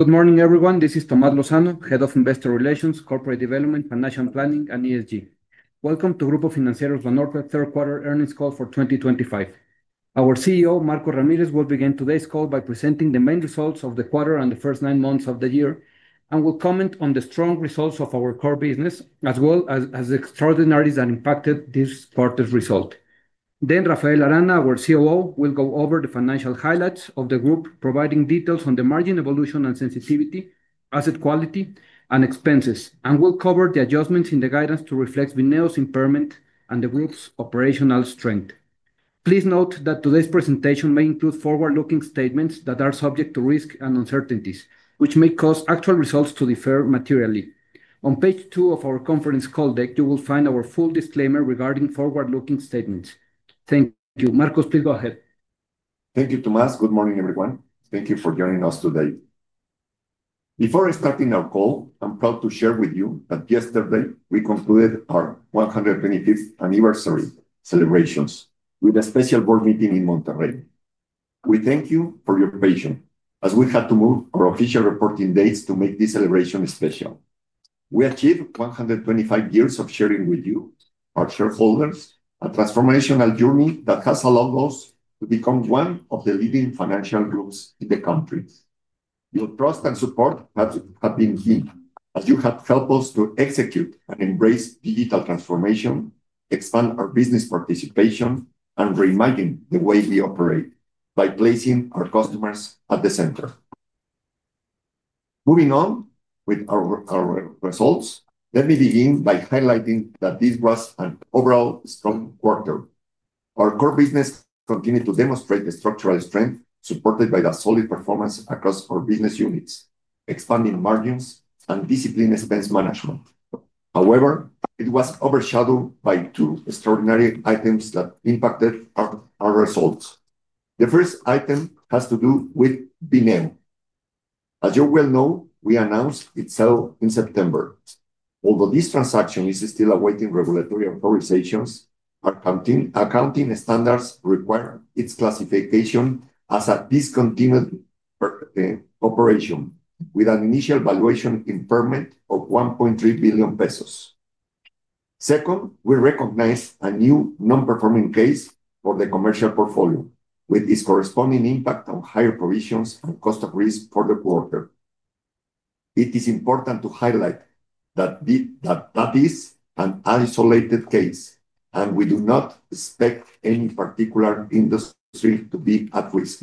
Good morning, everyone. This is Tomás Lozano, Head of Investor Relations, Corporate Development, Financial Planning, and ESG. Welcome to Grupo Financiero Banorte's third quarter earnings call for 2025. Our CEO, Marcos Ramírez, will begin today's call by presenting the main results of the quarter and the first nine months of the year, and will comment on the strong results of our core business, as well as the extraordinaries that impacted this quarter's result. Then Rafael Arana, our COO, will go over the financial highlights of the group, providing details on the margin evolution and sensitivity, asset quality, and expenses, and will cover the adjustments in the guidance to reflect Bineo's impairment and the group's operational strength. Please note that today's presentation may include forward-looking statements that are subject to risk and uncertainties, which may cause actual results to differ materially. On page two of our conference call deck, you will find our full disclaimer regarding forward-looking statements. Thank you. Marcos, please go ahead. Thank you, Tomás. Good morning, everyone. Thank you for joining us today. Before starting our call, I'm proud to share with you that yesterday we concluded our 125th anniversary celebrations with a special board meeting in Monterrey. We thank you for your patience as we had to move our official reporting dates to make this celebration special. We achieved 125 years of sharing with you, our shareholders, a transformational journey that has allowed us to become one of the leading financial groups in the country. Your trust and support have been key as you have helped us to execute and embrace digital transformation, expand our business participation, and reimagine the way we operate by placing our customers at the center. Moving on with our results, let me begin by highlighting that this was an overall strong quarter. Our core business continued to demonstrate the structural strength supported by the solid performance across our business units, expanding margins, and disciplined expense management. However, it was overshadowed by two extraordinary items that impacted our results. The first item has to do with Bineo. As you will know, we announced its sale in September. Although this transaction is still awaiting regulatory authorizations, accounting standards require its classification as a discontinued operation with an initial valuation impairment of 1.3 billion pesos. Second, we recognize a new non-performing case for the commercial portfolio, with its corresponding impact on higher provisions and cost of risk for the quarter. It is important to highlight that this is an isolated case, and we do not expect any particular industry to be at risk.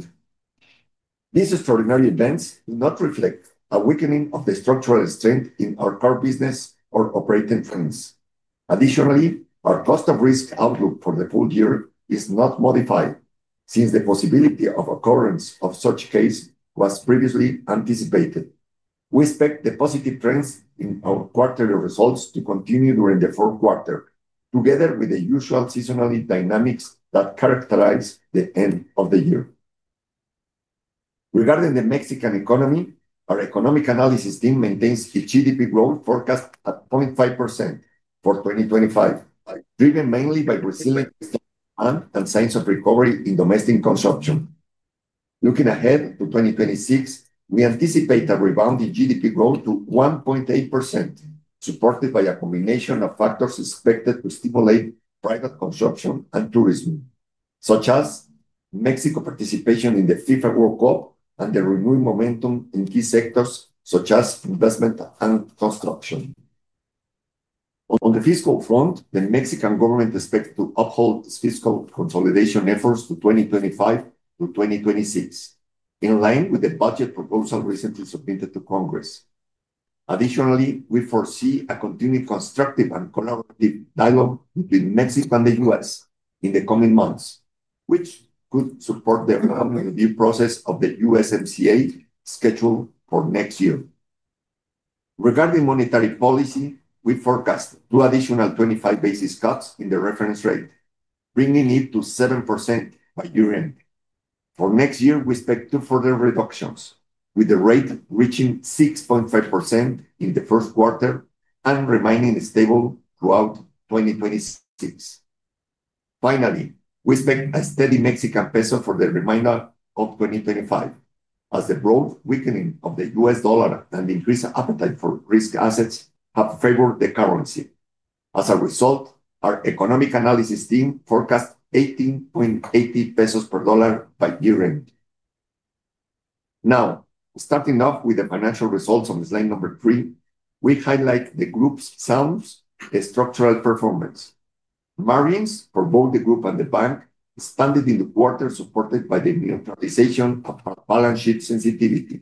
These extraordinary events do not reflect a weakening of the structural strength in our core business or operating trends. Additionally, our cost of risk outlook for the full year is not modified since the possibility of occurrence of such a case was previously anticipated. We expect the positive trends in our quarterly results to continue during the fourth quarter, together with the usual seasonal dynamics that characterize the end of the year. Regarding the Mexican economy, our economic analysis team maintains a GDP growth forecast at 0.5% for 2025, driven mainly by resilient and signs of recovery in domestic consumption. Looking ahead to 2026, we anticipate a rebound in GDP growth to 1.8%, supported by a combination of factors expected to stimulate private consumption and tourism, such as Mexico's participation in the FIFA World Cup and the renewed momentum in key sectors such as investment and construction. On the fiscal front, the Mexican government expects to uphold its fiscal consolidation efforts to 2025-2026, in line with the budget proposal recently submitted to Congress. Additionally, we foresee a continued constructive and collaborative dialogue between Mexico and the U.S. in the coming months, which could support the review process of the USMCA schedule for next year. Regarding monetary policy, we forecast two additional 25 basis cuts in the reference rate, bringing it to 7% by year-end. For next year, we expect two further reductions, with the rate reaching 6.5% in the first quarter and remaining stable throughout 2026. Finally, we expect a steady Mexican peso for the remainder of 2025, as the broad weakening of the U.S. dollar and the increased appetite for risk assets have favored the currency. As a result, our economic analysis team forecasts 18.80 pesos per dollar by year-end. Now, starting off with the financial results on slide number three, we highlight the group's sound structural performance. Margins for both the group and the bank expanded in the quarter supported by the neutralization of our balance sheet sensitivity.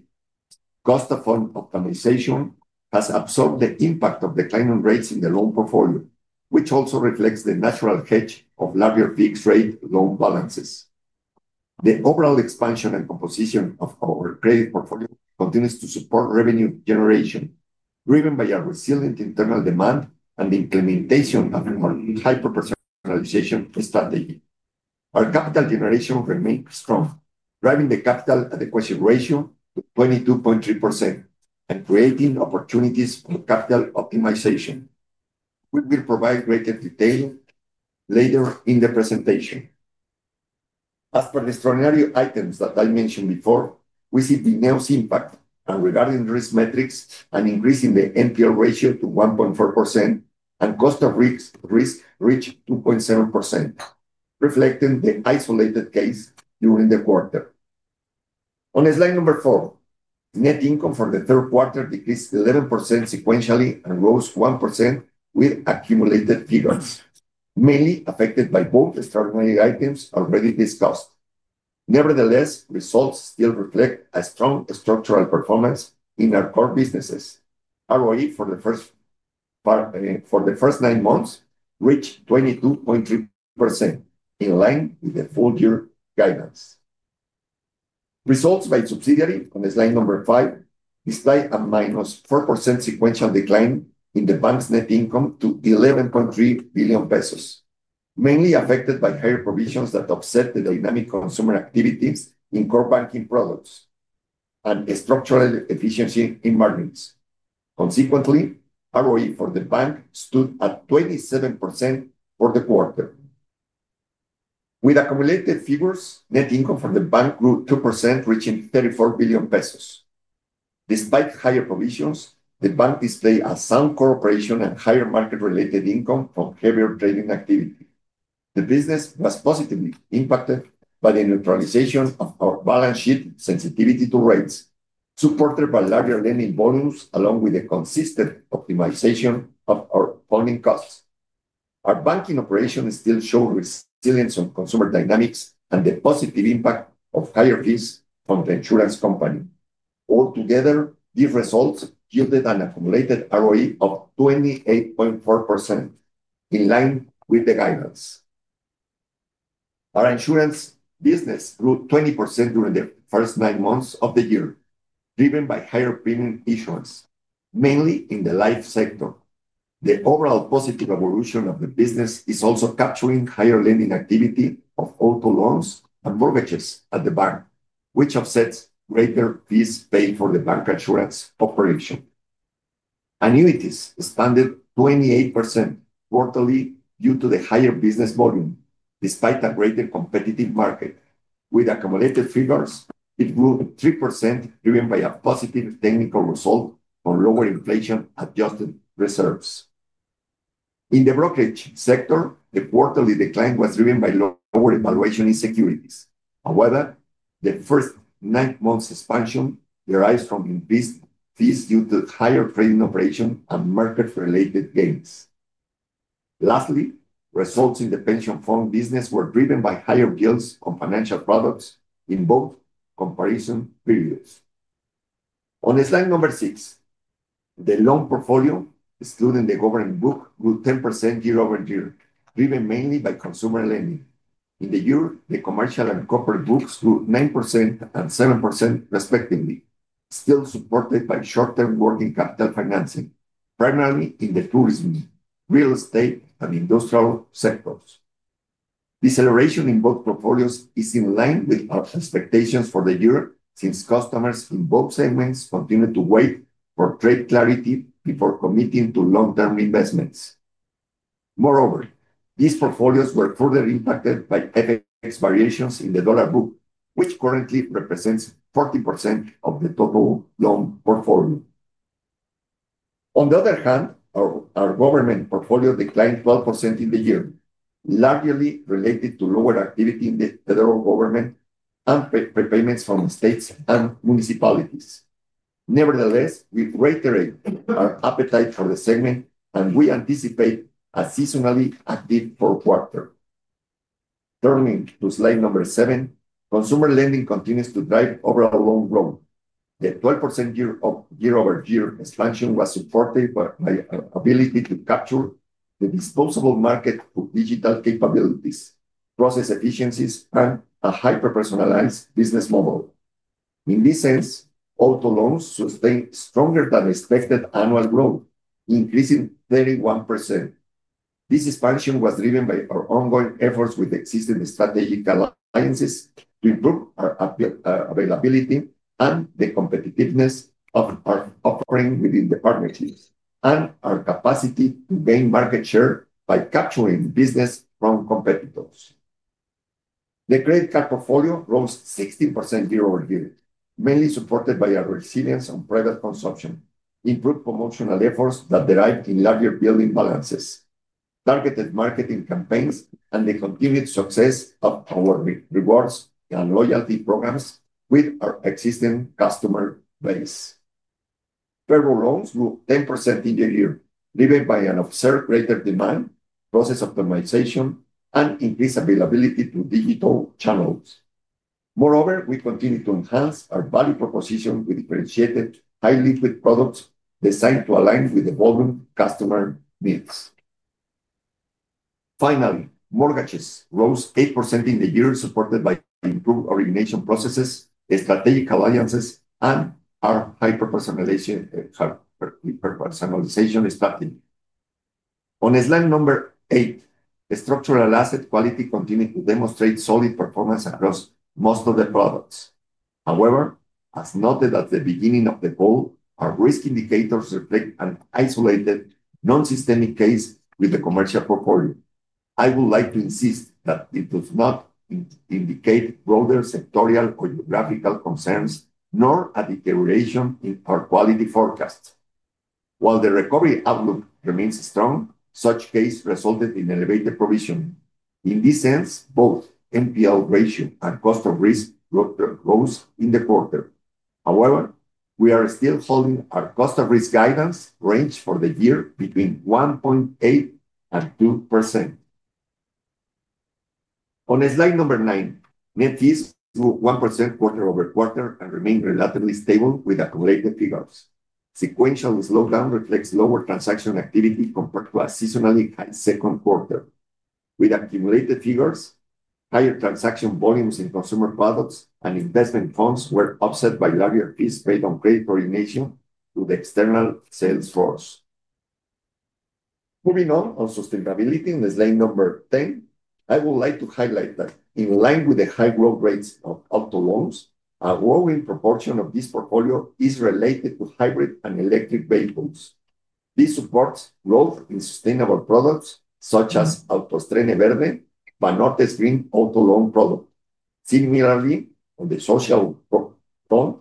Cost of fund optimization has absorbed the impact of declining rates in the loan portfolio, which also reflects the natural hedge of larger fixed-rate loan balances. The overall expansion and composition of our credit portfolio continues to support revenue generation, driven by our resilient internal demand and the implementation of a hyper-personalization strategy. Our capital generation remains strong, driving the capital adequacy ratio to 22.3% and creating opportunities for capital optimization. We will provide greater detail later in the presentation. As for the extraordinary items that I mentioned before, we see Bineo's impact on regarding risk metrics and increasing the NPL ratio to 1.4% and cost of risk reached 2.7%, reflecting the isolated case during the quarter. On slide number four, net income for the third quarter decreased 11% sequentially and rose 1% with accumulated figures, mainly affected by both extraordinary items already discussed. Nevertheless, results still reflect a strong structural performance in our core businesses. ROE for the first nine months reached 22.3%, in line with the full-year guidance. Results by subsidiary on slide number five display a -4% sequential decline in the bank's net income to 11.3 billion pesos, mainly affected by higher provisions that offset the dynamic consumer activities in core banking products and structural efficiency in margins. Consequently, ROE for the bank stood at 27% for the quarter. With accumulated figures, net income for the bank grew 2%, reaching 34 billion pesos. Despite higher provisions, the bank displayed a sound core operation and higher market-related income from heavier trading activity. The business was positively impacted by the neutralization of our balance sheet sensitivity to rates, supported by larger lending volumes, along with the consistent optimization of our funding costs. Our banking operation still showed resilience on consumer dynamics and the positive impact of higher fees from the insurance company. Altogether, these results yielded an accumulated ROE of 28.4%, in line with the guidance. Our insurance business grew 20% during the first nine months of the year, driven by higher premium issuance, mainly in the life sector. The overall positive evolution of the business is also capturing higher lending activity of auto loans and mortgages at the bank, which offsets greater fees paid for the bank assurance operation. Annuities expanded 28% quarterly due to the higher business volume, despite a greater competitive market. With accumulated figures, it grew 3%, driven by a positive technical result from lower inflation-adjusted reserves. In the brokerage sector, the quarterly decline was driven by lower evaluation in securities. However, the first nine months' expansion derived from increased fees due to higher trading operation and market-related gains. Lastly, results in the pension fund business were driven by higher yields on financial products in both comparison periods. On slide number six, the loan portfolio, excluding the government book, grew 10% year-over-year, driven mainly by consumer lending. In the year, the commercial and corporate books grew 9% and 7%, respectively, still supported by short-term working capital financing, primarily in the tourism, real estate, and industrial sectors. Deceleration in both portfolios is in line with our expectations for the year since customers in both segments continue to wait for trade clarity before committing to long-term investments. Moreover, these portfolios were further impacted by FX variations in the dollar book, which currently represents 40% of the total loan portfolio. On the other hand, our government portfolio declined 12% in the year, largely related to lower activity in the federal government and prepayments from states and municipalities. Nevertheless, we reiterate our appetite for the segment, and we anticipate a seasonally active fourth quarter. Turning to slide number seven, consumer lending continues to drive overall loan growth. The 12% year-over-year expansion was supported by our ability to capture the disposable market through digital capabilities, process efficiencies, and a hyper-personalized business model. In this sense, auto loans sustained stronger-than-expected annual growth, increasing 31%. This expansion was driven by our ongoing efforts with existing strategic alliances to improve our availability and the competitiveness of our offering within the partnerships and our capacity to gain market share by capturing business from competitors. The credit card portfolio rose 16% year-over-year, mainly supported by our resilience on private consumption, improved promotional efforts that derived in larger building balances, targeted marketing campaigns, and the continued success of our rewards and loyalty programs with our existing customer base. Federal loans grew 10% in the year, driven by an observed greater demand, process optimization, and increased availability through digital channels. Moreover, we continue to enhance our value proposition with differentiated high-liquid products designed to align with the volume customer needs. Finally, mortgages rose 8% in the year, supported by improved origination processes, strategic alliances, and our hyper-personalization strategy. On slide number eight, structural asset quality continued to demonstrate solid performance across most of the products. However, as noted at the beginning of the call, our risk indicators reflect an isolated, non-systemic case with the commercial portfolio. I would like to insist that it does not indicate broader sectorial or geographical concerns nor a deterioration in our quality forecast. While the recovery outlook remains strong, such case resulted in elevated provision. In this sense, both NPL ratio and cost of risk rose in the quarter. However, we are still holding our cost of risk guidance range for the year between 1.8% and 2%. On slide number nine, net fees grew 1% quarter-over-quarter and remained relatively stable with accumulated figures. Sequential slowdown reflects lower transaction activity compared to a seasonally high second quarter. With accumulated figures, higher transaction volumes in consumer products and investment funds were offset by larger fees paid on credit origination to the external sales force. Moving on to sustainability on slide number 10, I would like to highlight that in line with the high growth rates of auto loans, a growing proportion of this portfolio is related to hybrid and electric vehicles. This supports growth in sustainable products such as Autoestrene Verde, Banorte's Green Auto Loan product. Similarly, on the social front,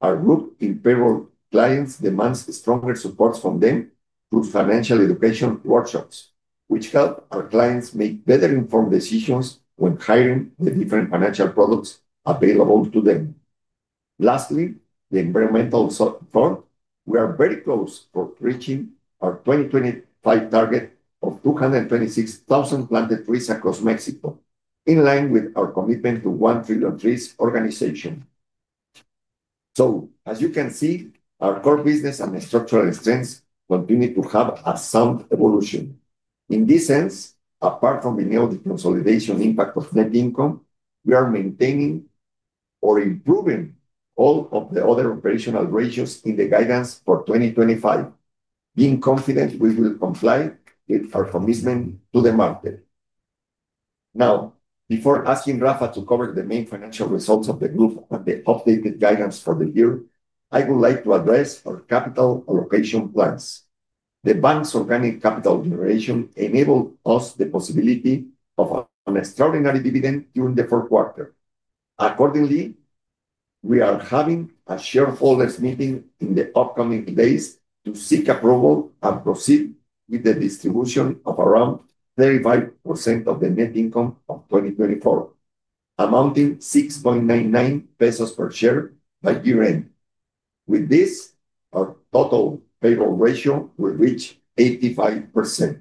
our group in payroll clients demands stronger support from them through financial education workshops, which help our clients make better-informed decisions when hiring the different financial products available to them. Lastly, the environmental front, we are very close to reaching our 2025 target of 226,000 planted trees across Mexico, in line with our commitment to One Trillion Trees organization. So, as you can see, our core business and structural strengths continue to have a sound evolution. In this sense, apart from Bineo's consolidation impact on net income, we are maintaining or improving all of the other operational ratios in the guidance for 2025, being confident we will comply with our commitment to the market. Now, before asking Rafa to cover the main financial results of the group and the updated guidance for the year, I would like to address our capital allocation plans. The bank's organic capital generation enabled us the possibility of an extraordinary dividend during the fourth quarter. Accordingly, we are having a shareholders' meeting in the upcoming days to seek approval and proceed with the distribution of around 35% of the net income of 2024, amounting to 6.99 pesos per share by year-end. With this, our total payroll ratio will reach 85%.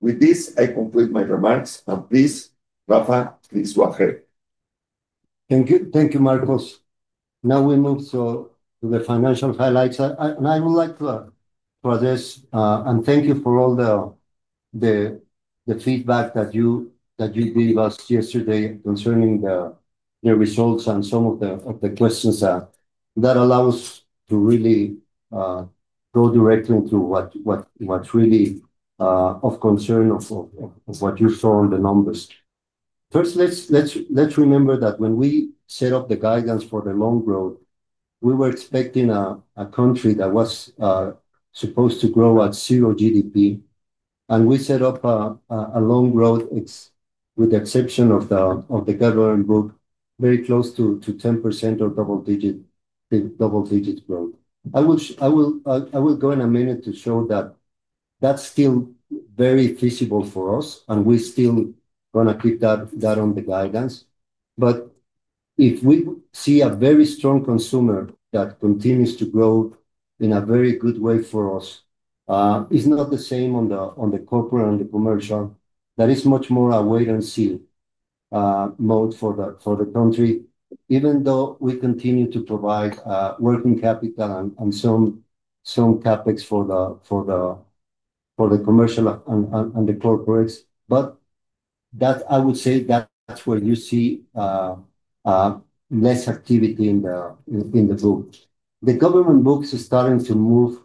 With this, I conclude my remarks, and please, Rafa, please go ahead. Thank you, Marcos. Now we move to the financial highlights, and I would like to address, and thank you for all the feedback that you gave us yesterday concerning the results and some of the questions that allow us to really go directly into what's really of concern of what you saw in the numbers. First, let's remember that when we set up the guidance for the long growth, we were expecting a country that was supposed to grow at zero GDP, and we set up a long growth with the exception of the government book, very close to 10% or double-digit growth. I will go in a minute to show that that's still very feasible for us, and we're still going to keep that on the guidance. But if we see a very strong consumer that continues to grow in a very good way for us, it's not the same on the corporate and the commercial. That is much more a wait-and-see mode for the country, even though we continue to provide working capital and some CapEx for the commercial and the corporates. But I would say that's where you see less activity in the book. The government book is starting to move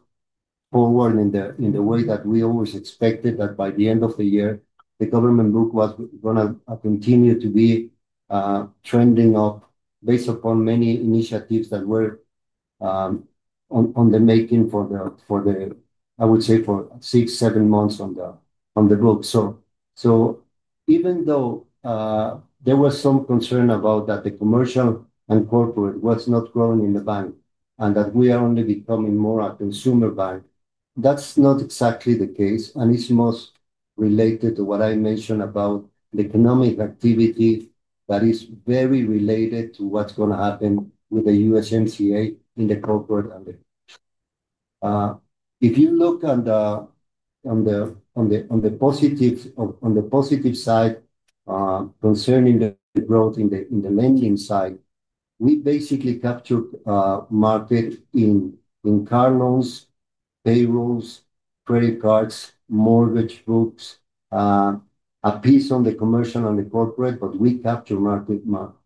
forward in the way that we always expected that by the end of the year, the government book was going to continue to be trending up based upon many initiatives that were on the making for the, I would say, for six, seven months on the book. So even though there was some concern about that the commercial and corporate was not growing in the bank and that we are only becoming more a consumer bank, that's not exactly the case, and it's most related to what I mentioned about the economic activity that is very related to what's going to happen with the USMCA in the corporate and the commercial. If you look on the positive side concerning the growth in the lending side, we basically captured market in car loans, payrolls, credit cards, mortgage books. A piece on the commercial and the corporate, but we captured market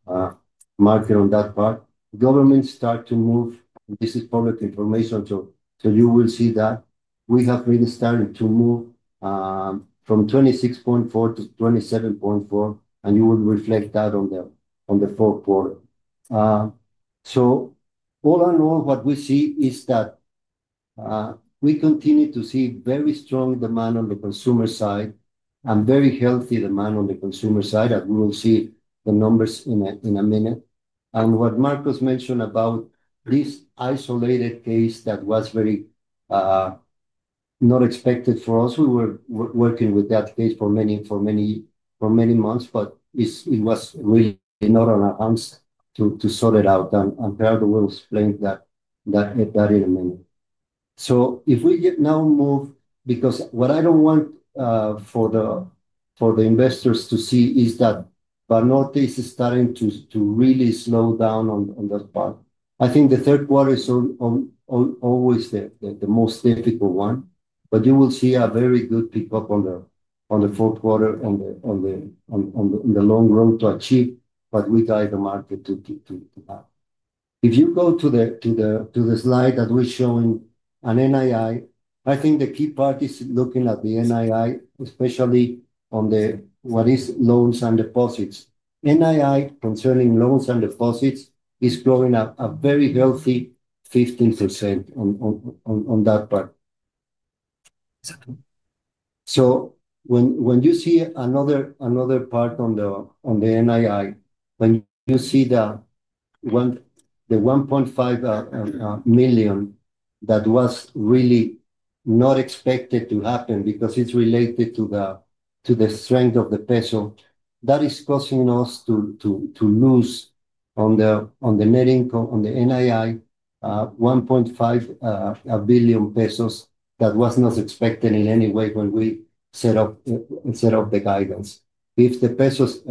on that part. Governments start to move, and this is public information, so you will see that we have really started to move from 26.4% to 27.4%, and you will reflect that on the fourth quarter. So all in all, what we see is that we continue to see very strong demand on the consumer side and very healthy demand on the consumer side, as we will see the numbers in a minute. And what Marcos mentioned about this isolated case that was very not expected for us, we were working with that case for many months, but it was really not on our hands to sort it out, and Gerardo will explain that in a minute. So if we now move, because what I don't want for the investors to see is that Banorte is starting to really slow down on that part. I think the third quarter is always the most difficult one, but you will see a very good pickup on the fourth quarter and the long run to achieve what we guide the market to have. If you go to the slide that we're showing, an NII, I think the key part is looking at the NII, especially on what is loans and deposits. NII concerning loans and deposits is growing a very healthy 15% on that part. So when you see another part on the NII, when you see the 1.5 million that was really not expected to happen because it's related to the strength of the peso, that is causing us to lose on the NII 1.5 billion pesos that was not expected in any way when we set up the guidance. If the pesos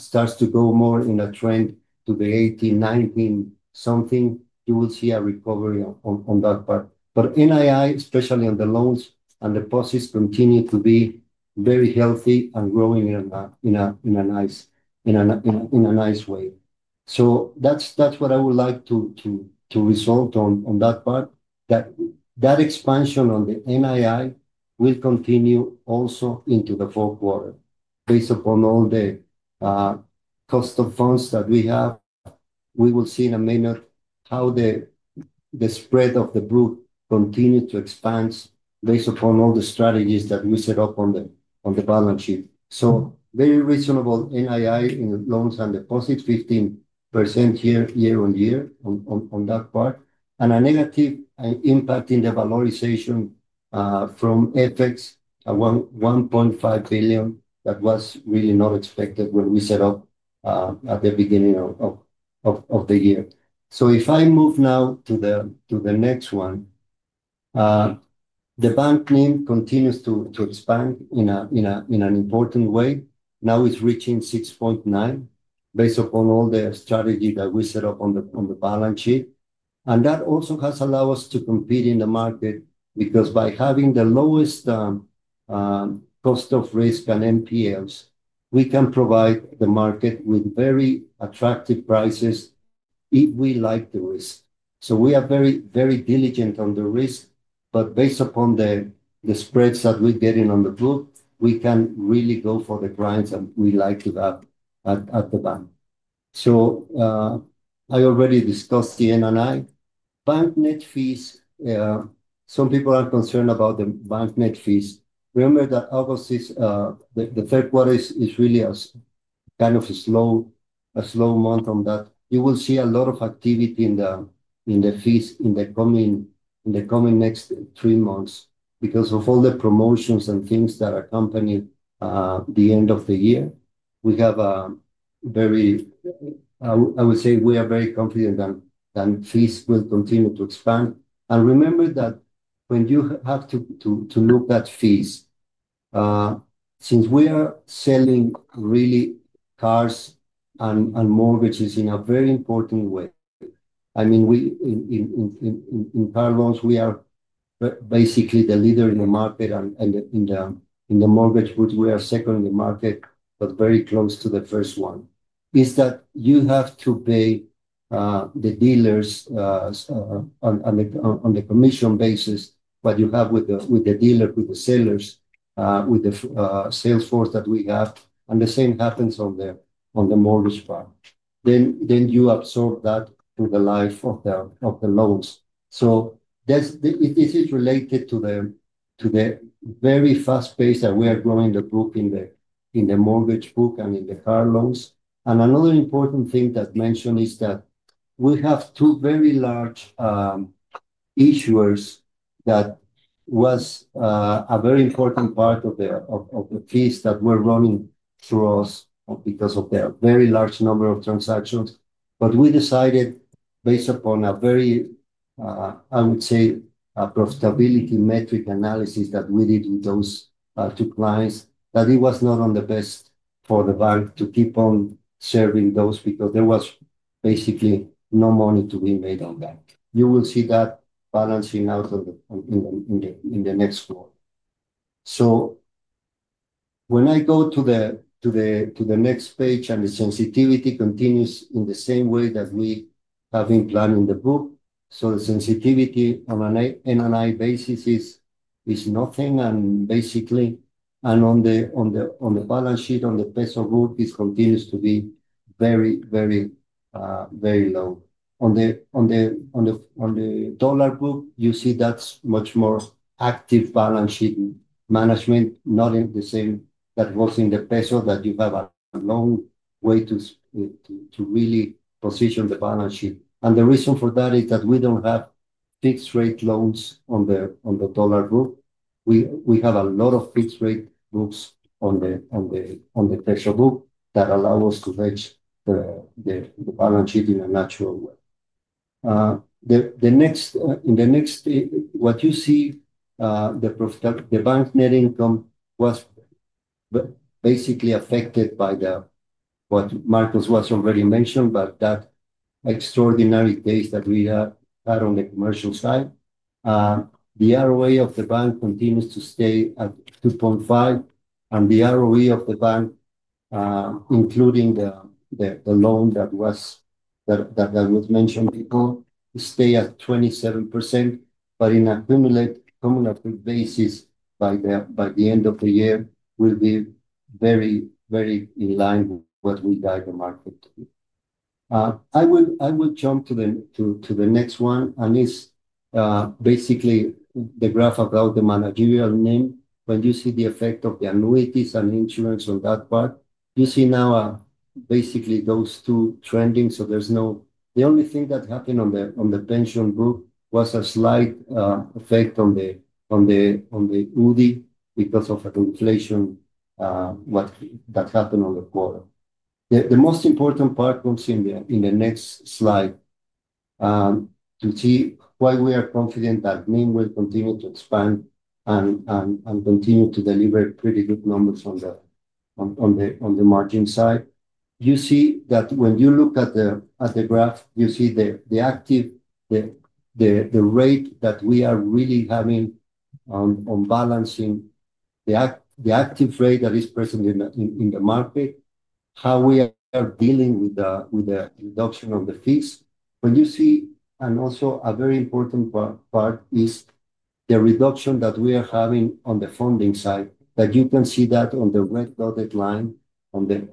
starts to go more in a trend to the 18, 19-something, you will see a recovery on that part. But NII, especially on the loans and deposits, continue to be very healthy and growing in a nice way. So that's what I would like to result on that part. That expansion on the NII will continue also into the fourth quarter based upon all the cost of funds that we have, we will see in a minute how the spread of the group continues to expand based upon all the strategies that we set up on the balance sheet. So very reasonable NII in loans and deposits, 15% year-on-year on that part, and a negative impact in the valorization from FX 1.5 billion that was really not expected when we set up at the beginning of the year. So if I move now to the next one, the bank name continues to expand in an important way. Now it's reaching 6.9% based upon all the strategy that we set up on the balance sheet. And that also has allowed us to compete in the market because by having the lowest cost of risk and MPLs, we can provide the market with very attractive prices if we like the risk. So we are very diligent on the risk, but based upon the spreads that we're getting on the book, we can really go for the grinds that we like to have at the bank. I already discussed the NII. Bank net fees, some people are concerned about the bank net fees. Remember that August, the third quarter is really a kind of a slow month on that. You will see a lot of activity in the fees in the coming next three months because of all the promotions and things that accompany the end of the year, I would say we are very confident that fees will continue to expand. And remember that when you have to look at fees, since we are selling really cars and mortgages in a very important way. I mean, in car loans, we are basically the leader in the market, and in the mortgage book, we are second in the market, but very close to the first one. Is that you have to pay the dealers on a commission basis what you have with the dealer, with the sellers, with the salesforce that we have, and the same happens on the mortgage part. Then you absorb that through the life of the loans. So, this is related to the very fast pace that we are growing the group in the mortgage book and in the car loans. And another important thing that's mentioned is that we have two very large issuers that was a very important part of the fees that we're running through us because of the very large number of transactions but we decided, based upon a very, I would say, profitability metric analysis that we did with those two clients, that it was not on the best for the bank to keep on serving those because there was basically no money to be made on that. You will see that balancing out in the next quarter. So, when I go to the next page, and the sensitivity continues in the same way that we have been planning the book, so the sensitivity on an NII basis is nothing, and basically, and on the balance sheet, on the peso group, it continues to be very, very low. On the dollar group, you see that's much more active balance sheet management, not in the same that was in the peso that you have a long way to really position the balance sheet. And the reason for that is that we don't have fixed-rate loans on the dollar group. We have a lot of fixed-rate groups on the peso book that allow us to hedge the balance sheet in a natural way. In the next, what you see the bank net income was basically affected by what Marcos was already mentioned, but that extraordinary case that we had on the commercial side. The ROA of the bank continues to stay at 2.5%, and the ROE of the bank including the loan that was mentioned before, stay at 27%, but in a cumulative basis by the end of the year, will be very in line with what we guide the market to do. I will jump to the next one, and it's basically the graph about the managerial name. When you see the effect of the annuities and insurance on that part, you see now basically those two trending, so there's no, the only thing that happened on the pension group was a slight effect on the URBI because of the inflation that happened on the quarter. The most important part comes in the next slide to see why we are confident that NIM will continue to expand and continue to deliver pretty good numbers on the margin side. You see that when you look at the graph, you see the rate that we are really having on balancing, the active rate that is present in the market, how we are dealing with the reduction of the fees. And also a very important part is the reduction that we are having on the funding side that you can see that on the red dotted line on the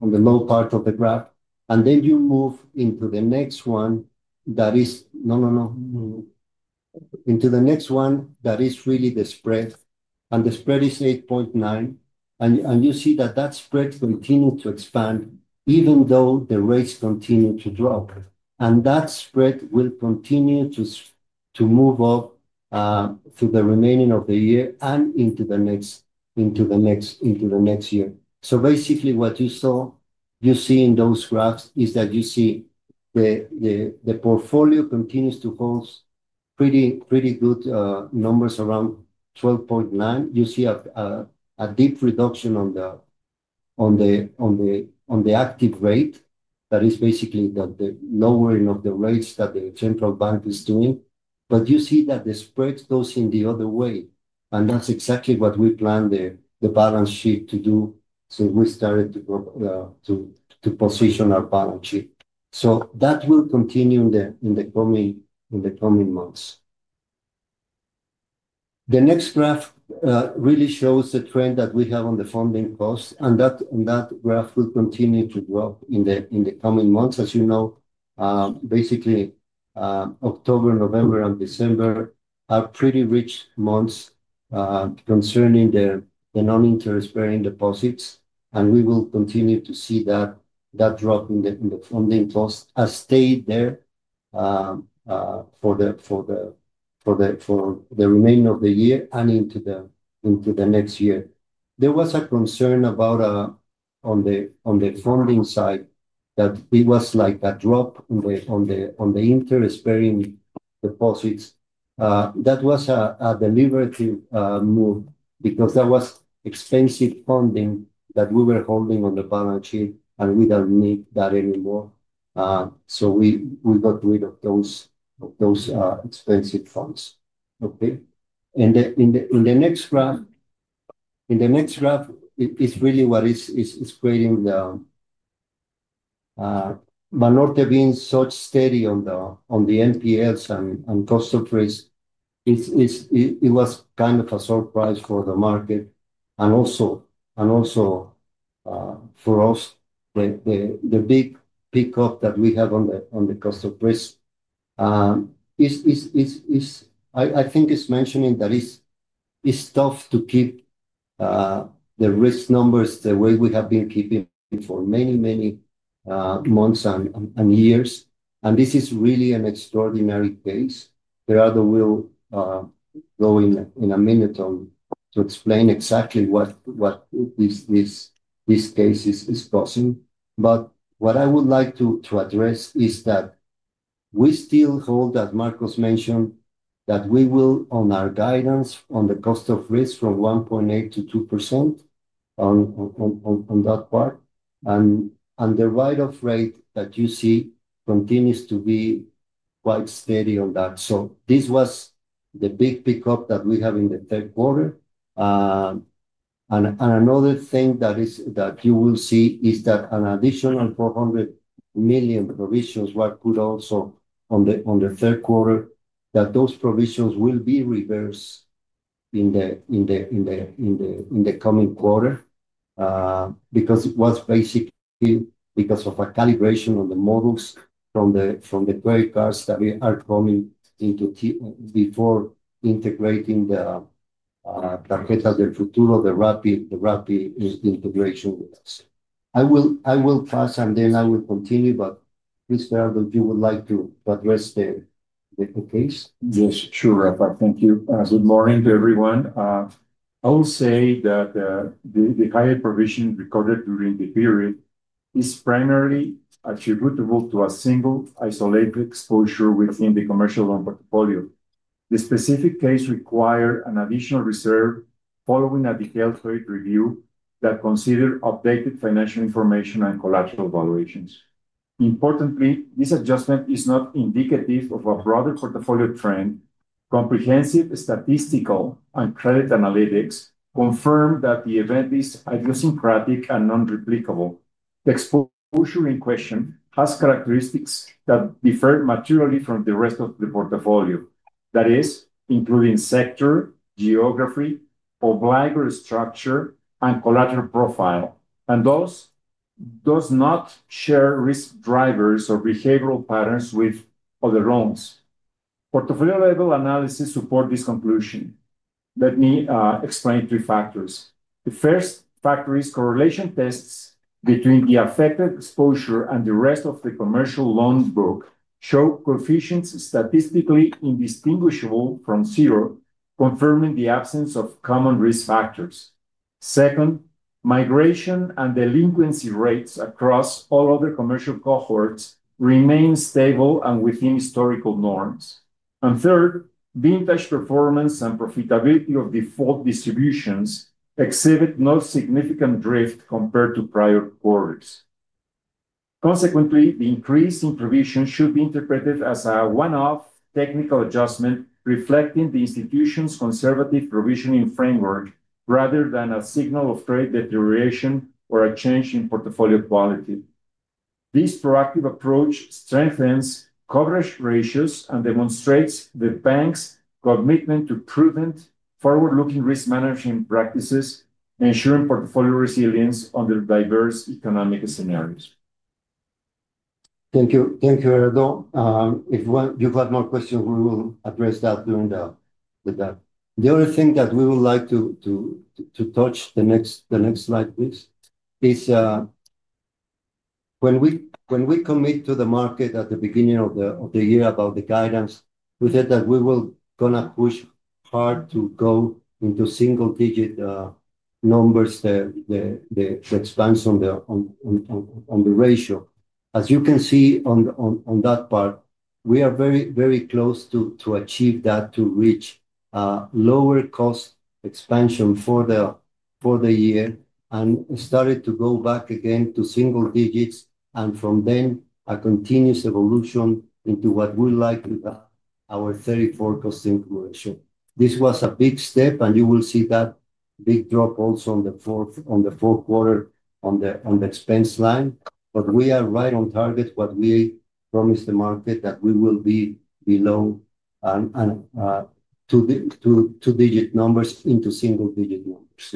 low part of the graph. And then you move into the next one that is really the spread. And the spread is 8.9%. And you see that that spread continues to expand even though the rates continue to drop. And that spread will continue to move up through the remaining of the year and into the next year. So basically, what you see in those graphs is that you see the portfolio continues to hold pretty good numbers around 12.9%. You see a deep reduction on the active rate. That is basically the lowering of the rates that the Central Bank is doing. But you see that the spread goes in the other way and that's exactly what we planned the balance sheet to do since we started to position our balance sheet. So that will continue in the coming months. The next graph really shows the trend that we have on the funding costs, and that graph will continue to grow in the coming months. As you know basically October, November, and December are pretty rich months concerning the non-interest-bearing deposits and we will continue to see that drop in the funding costs as stayed there for the remaining of the year and into the next year. There was a concern about on the funding side that it was like a drop in the interest-bearing deposits. That was a deliberative move because that was expensive funding that we were holding on the balance sheet, and we don't need that anymore. So we got rid of those expensive funds. Okay. In the next graph, it's really what is creating the Banorte being such steady on the NPS and cost of risk. It was kind of a surprise for the market. And also for us, the big pickup that we have on the cost of risk, I think it's mentioning that it's tough to keep the risk numbers the way we have been keeping for many, many months and years and this is really an extraordinary case. Gerardo will go in a minute to explain exactly what this case is causing. But what I would like to address is that we still hold, as Marcos mentioned, that we will, on our guidance, on the cost of risk from 1.8%-2% on that part. And the right of rate that you see continues to be quite steady on that. So this was the big pickup that we have in the third quarter. And another thing that you will see is that an additional 400 million provisions were put also on the third quarter, that those provisions will be reversed in the coming quarter because it was basically because of a calibration on the models from the credit cards that are coming into before integrating the Tarjetas del Futuro, the Rappi integration with us. I will pass, and then I will continue, but please, Gerardo, if you would like to address the case. Yes, sure Rafa. Thank you. Good morning to everyone. I will say that the higher provision recorded during the period is primarily attributable to a single isolated exposure within the commercial loan portfolio. The specific case required an additional reserve following a detailed trade review that considered updated financial information and collateral valuations. Importantly, this adjustment is not indicative of a broader portfolio trend. Comprehensive statistical and credit analytics confirm that the event is idiosyncratic and non-replicable. The exposure in question has characteristics that differ materially from the rest of the portfolio. That is, including sector, geography, obligatory structure, and collateral profile. And those do not share risk drivers or behavioral patterns with other loans. Portfolio-level analysis supports this conclusion. Let me explain three factors. The first factor is correlation tests between the affected exposure and the rest of the commercial loan book show coefficients statistically indistinguishable from zero, confirming the absence of common risk factors. Second, migration and delinquency rates across all other commercial cohorts remain stable and within historical norms. And third, vintage performance and profitability of default distributions exhibit no significant drift compared to prior quarters. Consequently, the increase in provision should be interpreted as a one-off technical adjustment reflecting the institution's conservative provisioning framework rather than a signal of trade deterioration or a change in portfolio quality. This proactive approach strengthens coverage ratios and demonstrates the bank's commitment to prudent, forward-looking risk management practices, ensuring portfolio resilience under diverse economic scenarios. Thank you, Gerardo. If you've got more questions, we will address that during that. The other thing that we would like to touch, the next slide, please, is when we commit to the market at the beginning of the year about the guidance, we said that we were going to push hard to go into single-digit numbers, the expansion on the ratio. As you can see on that part, we are very close to achieve that, to reach lower cost expansion for the year, and started to go back again to single digits, and from then, a continuous evolution into what we like with our 34%-cost increment ratio. This was a big step, and you will see that big drop also on the fourth quarter on the expense line. But we are right on target, what we promised the market, that we will be below. Two-digit numbers into single-digit numbers.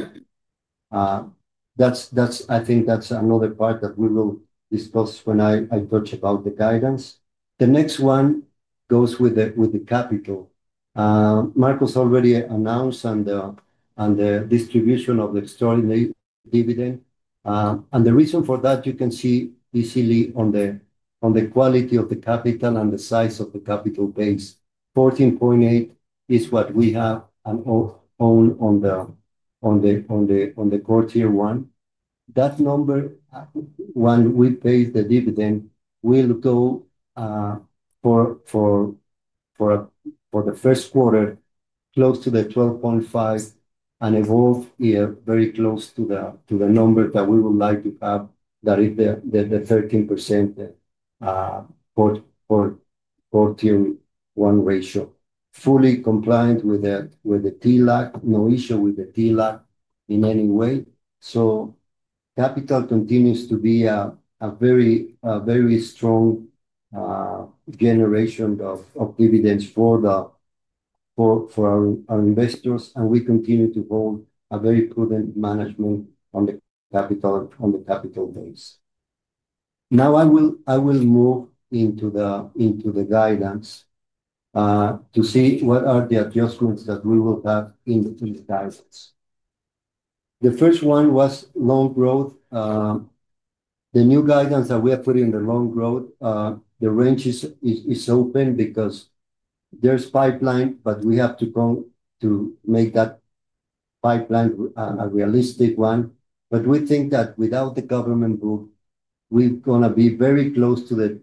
I think that's another part that we will discuss when I touch about the guidance. The next one goes with the capital. Marcos already announced the distribution of the extraordinary dividend. And the reason for that, you can see easily on the quality of the capital and the size of the capital base. 14.8% is what we have on the quarter one. That number, when we pay the dividend, will go for the first quarter, close to the 12.5%, and evolve very close to the number that we would like to have, that is the 13% for Tier 1 ratio. Fully compliant with the TLAC, no issue with the TLAC in any way. So capital continues to be a very strong generation of dividends for our investors, and we continue to hold a very prudent management on the capital base. Now I will move into the guidance to see what are the adjustments that we will have in the guidance. The first one was loan growth. The new guidance that we are putting in the loan growth, the range is open because there's pipeline, but we have tom ake that pipeline a realistic one. But we think that without the government book, we're going to be very close to the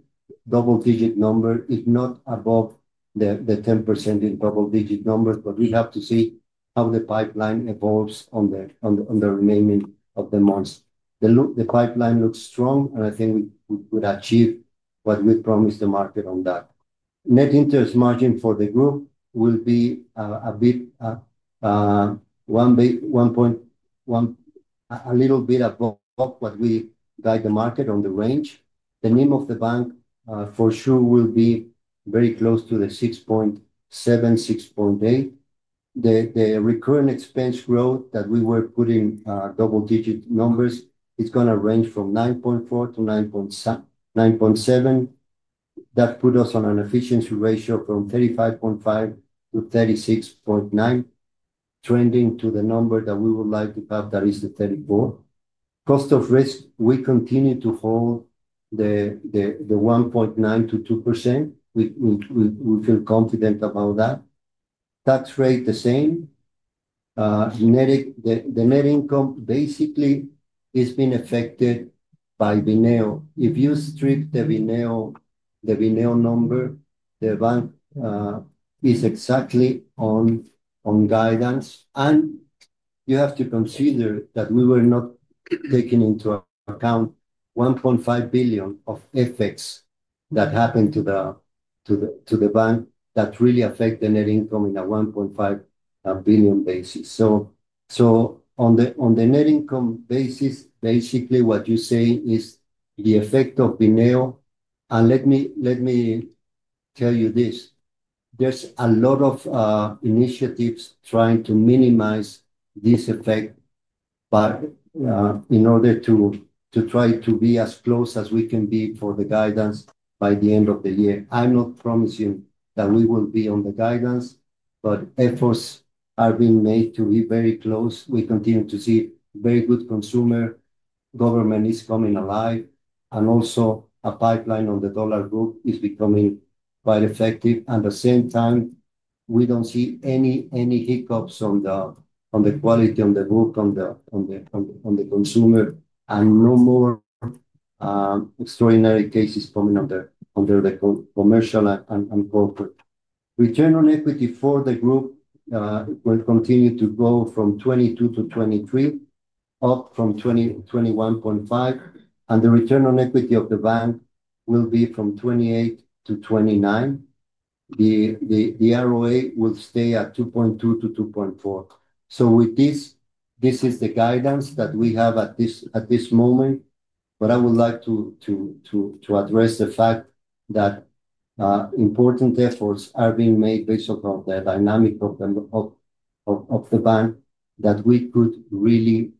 double-digit number, if not above the 10% in double-digit numbers. But we have to see how the pipeline evolves on the remaining of the months. The pipeline looks strong, and I think we would achieve what we promised the market on that. Net interest margin for the group will be a little bit above what we guide the market on the range. The name of the bank, for sure, will be very close to the 6.7%, 6.8%. The recurrent expense growth that we were putting double-digit numbers, it's going to range from 9.4%-9.7%. That put us on an efficiency ratio from 35.5%-36.9%. Trending to the number that we would like to have, that is the 34%. Cost of risk, we continue to hold the 1.9%-2%. We feel confident about that. Tax rate, the same. The net income basically has been affected by Bineo. If you strip the Bineo number, the bank is exactly on guidance. And you have to consider that we were not taking into account 1.5 billion of FX that happened to the bank that really affect the net income in a 1.5 billion basis. So on the net income basis, basically what you say is the effect of Bineo. And let me tell you this. There's a lot of initiatives trying to minimize this effect in order to try to be as close as we can be for the guidance by the end of the year. I'm not promising that we will be on the guidance, but efforts are being made to be very close. We continue to see very good consumer government is coming alive. And also, a pipeline on the dollar book is becoming quite effective. At the same time, we don't see any hiccups on the quality on the book, on the consumer, and no more extraordinary cases coming under the commercial and corporate. Return on equity for the group will continue to go from 22% to 23%, up from 21.5%. And the return on equity of the bank will be from 28% to 29%. The ROA will stay at 2.2%-2.4%. So with this, this is the guidance that we have at this moment. But I would like to address the fact that important efforts are being made based on the dynamic of the bank, that we could really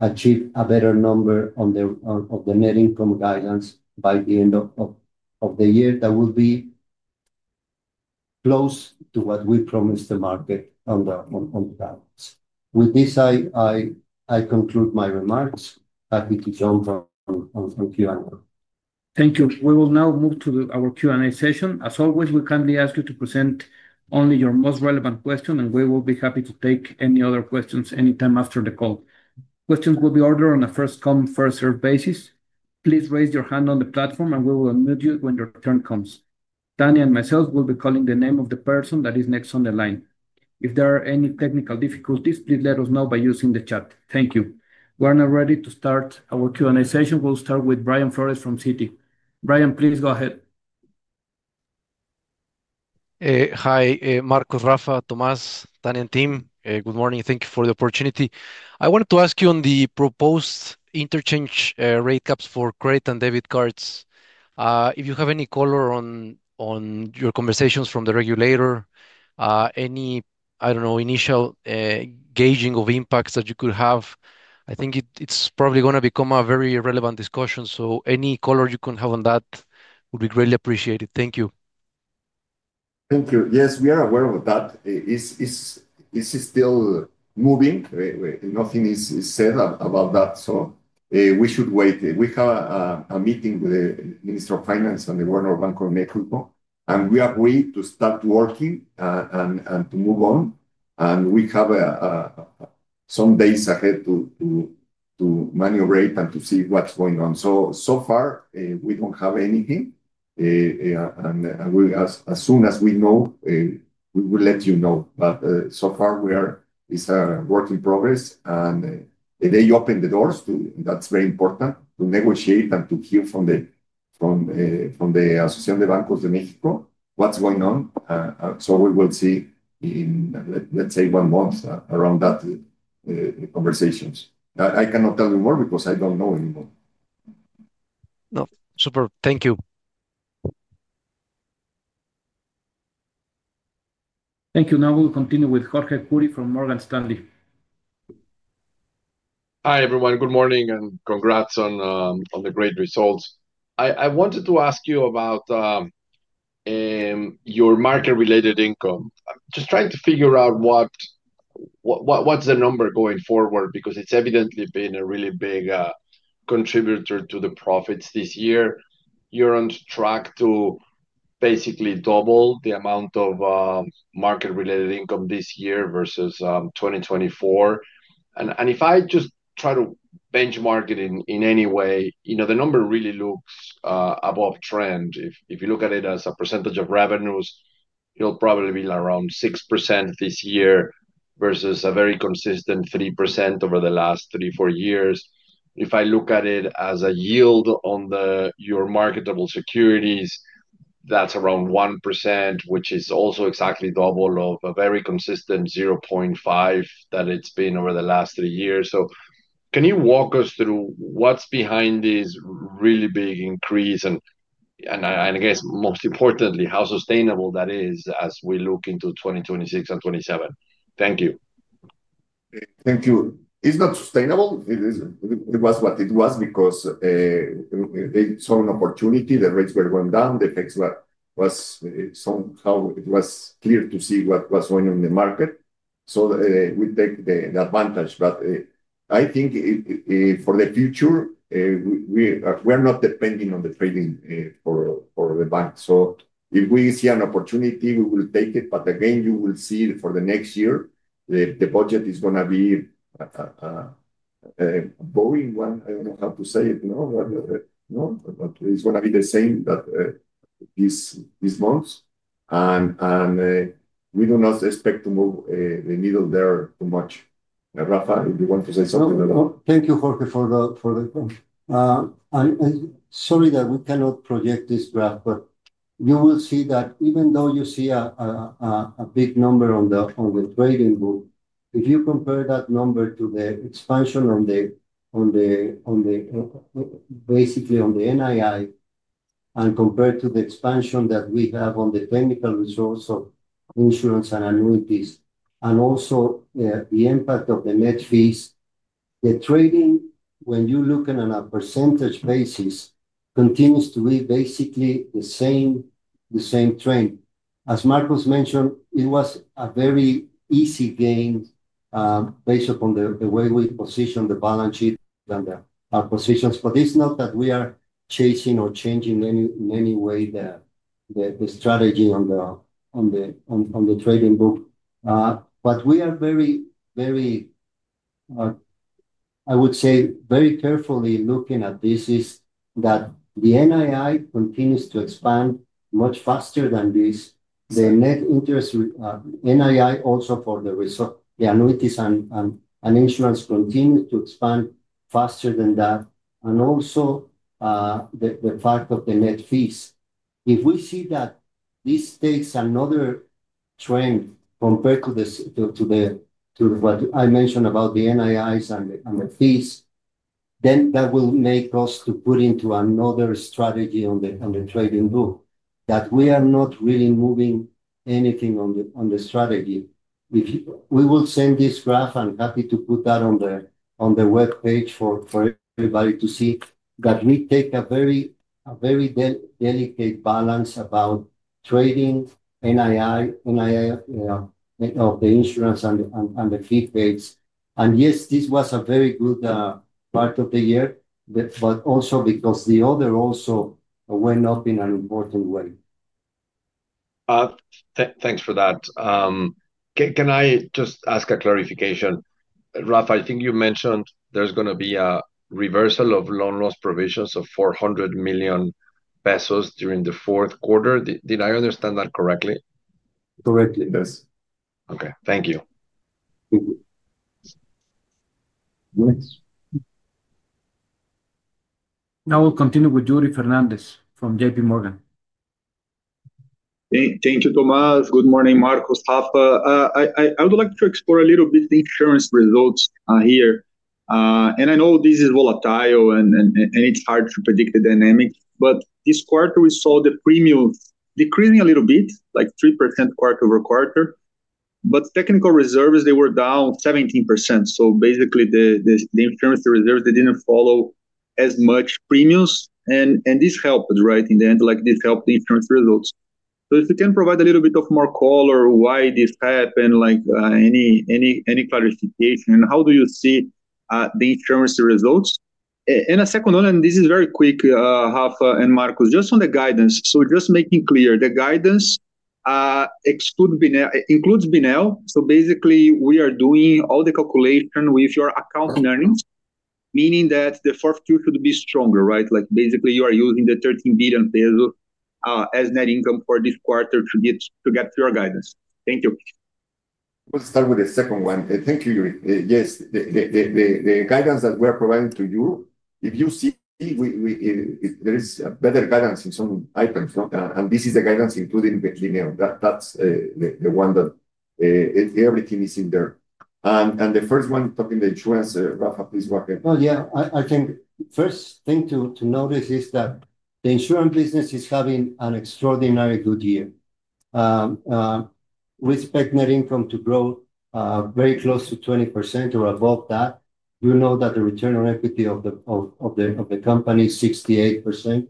achieve a better number on the net income guidance by the end of the year that will be close to what we promised the market on the guidance. With this, I conclude my remarks. Happy to jump on Q&A. Thank you. We will now move to our Q&A session. As always, we kindly ask you to present only your most relevant question, and we will be happy to take any other questions anytime after the call. Questions will be ordered on a first-come, first-served basis. Please raise your hand on the platform, and we will unmute you when your turn comes. Tanya and myself will be calling the name of the person that is next on the line. If there are any technical difficulties, please let us know by using the chat. Thank you. We are now ready to start our Q&A session. We'll start with Brian Flores from Citi. Brian, please go ahead. Hi, Marcos, Rafa, Tomás, Tanya and team. Good morning. Thank you for the opportunity. I wanted to ask you on the proposed interchange rate caps for credit and debit cards. If you have any color on your conversations from the regulator. Any, I don't know, initial gauging of impacts that you could have. I think it's probably going to become a very relevant discussion. So any color you can have on that would be greatly appreciated. Thank you. Thank you. Yes, we are aware of that. It's still moving. Nothing is said about that. So we should wait. We have a meeting with the Minister of Finance and the Governor Banco de México. And we agreed to start working and to move on. And we have some days ahead to maneuver and to see what's going on. So far, we don't have anything. And as soon as we know, we will let you know. But so far, it's a work in progress. And they opened the doors. That's very important to negotiate and to hear from the Bank of Mexico, what's going on. So we will see in, let's say, one month around that conversations. I cannot tell you more because I don't know anymore. No. Super. Thank you. Now we'll continue with Jorge Kuri from Morgan Stanley. Hi, everyone. Good morning and congrats on the great results. I wanted to ask you about your market-related income. I'm just trying to figure out what's the number going forward because it's evidently been a really big contributor to the profits this year. You're on track to basically double the amount of market-related income this year versus 2024. And if I just try to benchmark it in any way, the number really looks above trend. If you look at it as a percentage of revenues, it'll probably be around 6% this year versus a very consistent 3% over the last three, four years. If I look at it as a yield on your marketable securities, that's around 1%, which is also exactly double of a very consistent 0.5% that it's been over the last three years. So can you walk us through what's behind this really big increase and I guess, most importantly, how sustainable that is as we look into 2026 and 2027? Thank you. Thank you. It's not sustainable. It was what it was because they saw an opportunity. The rates were going down. The effects were somehow, it was clear to see what was going on in the market. So we take the advantage. But I think for the future, we are not depending on the trading for the bank. So if we see an opportunity, we will take it. But again, you will see for the next year, the budget is going to be a Boeing one, I don't know how to say it, it's going to be the same, but this month. And we do not expect to move the needle there too much. Rafa, if you want to say something. Thank you, Jorge, for the. Sorry that we cannot project this graph, but you will see that even though you see a big number on the trading book, if you compare that number to the expansion on the, basically on the NII and compared to the expansion that we have on the technical resource of insurance and annuities, and also the impact of the net fees, the trading, when you look at a percentage basis, continues to be basically the same trend. As Marcos mentioned, it was a very easy gain based upon the way we positioned the balance sheet and and the acquisitions. But it's not that we are chasing or changing in any way the strategy on the trading book. But we are very, I would say, very carefully looking at this is that the NII continues to expand much faster than this. The net interest, NII also for the annuities and insurance continues to expand faster than that. And also the fact of the net fees. If we see that this takes another trend compared to what I mentioned about the NIIs and the fees, then that will make us to put into another strategy on the trading book that we are not really moving anything on the strategy. We will send this graph. I'm happy to put that on the web page for everybody to see that we take a very delicate balance about trading, NII of the insurance and the fee base. And yes, this was a very good part of the year, but also because the other also went up in an important way. Thanks for that. Can I just ask a clarification? Rafa, I think you mentioned there's going to be a reversal of loan loss provisions of 400 million pesos during the fourth quarter. Did I understand that correctly? Correctly, yes. Okay. Thank you. Now we'll continue with Yuri Fernandes from JPMorgan. Thank you, Tomás. Good morning, Marcos, Rafa. I would like to explore a little bit the insurance results here. And I know this is volatile, and it's hard to predict the dynamic. But this quarter, we saw the premium decreasing a little bit, like 3% quarter-over-quarter. But technical reserves, they were down 17%. So basically, the insurance reserves, they didn't follow as much premiums. And this helped, right? In the end, this helped the insurance results. So if you can provide a little bit of more color why this happened, any clarification, and how do you see the insurance results? And a second one, and this is very quick, Rafa and Marcos, just on the guidance. So just making clear, the guidance includes Bineo. So basically, we are doing all the calculation with your accounting earnings, meaning that the 4Q should be stronger, right? Basically, you are using the 13 billion pesos as net income for this quarter to get to your guidance. Thank you. Let's start with the second one. Thank you, Yuri. Yes. The guidance that we are providing to you, if you see. There is better guidance in some items. And this is the guidance including Benio. That's the one that. Everything is in there. And the first one, talking about insurance, Rafa, please go ahead. Oh, yeah. I think the first thing to notice is that the insurance business is having an extraordinary good year. We expect net income to grow very close to 20% or above that. You know that the return on equity of the company is 68%.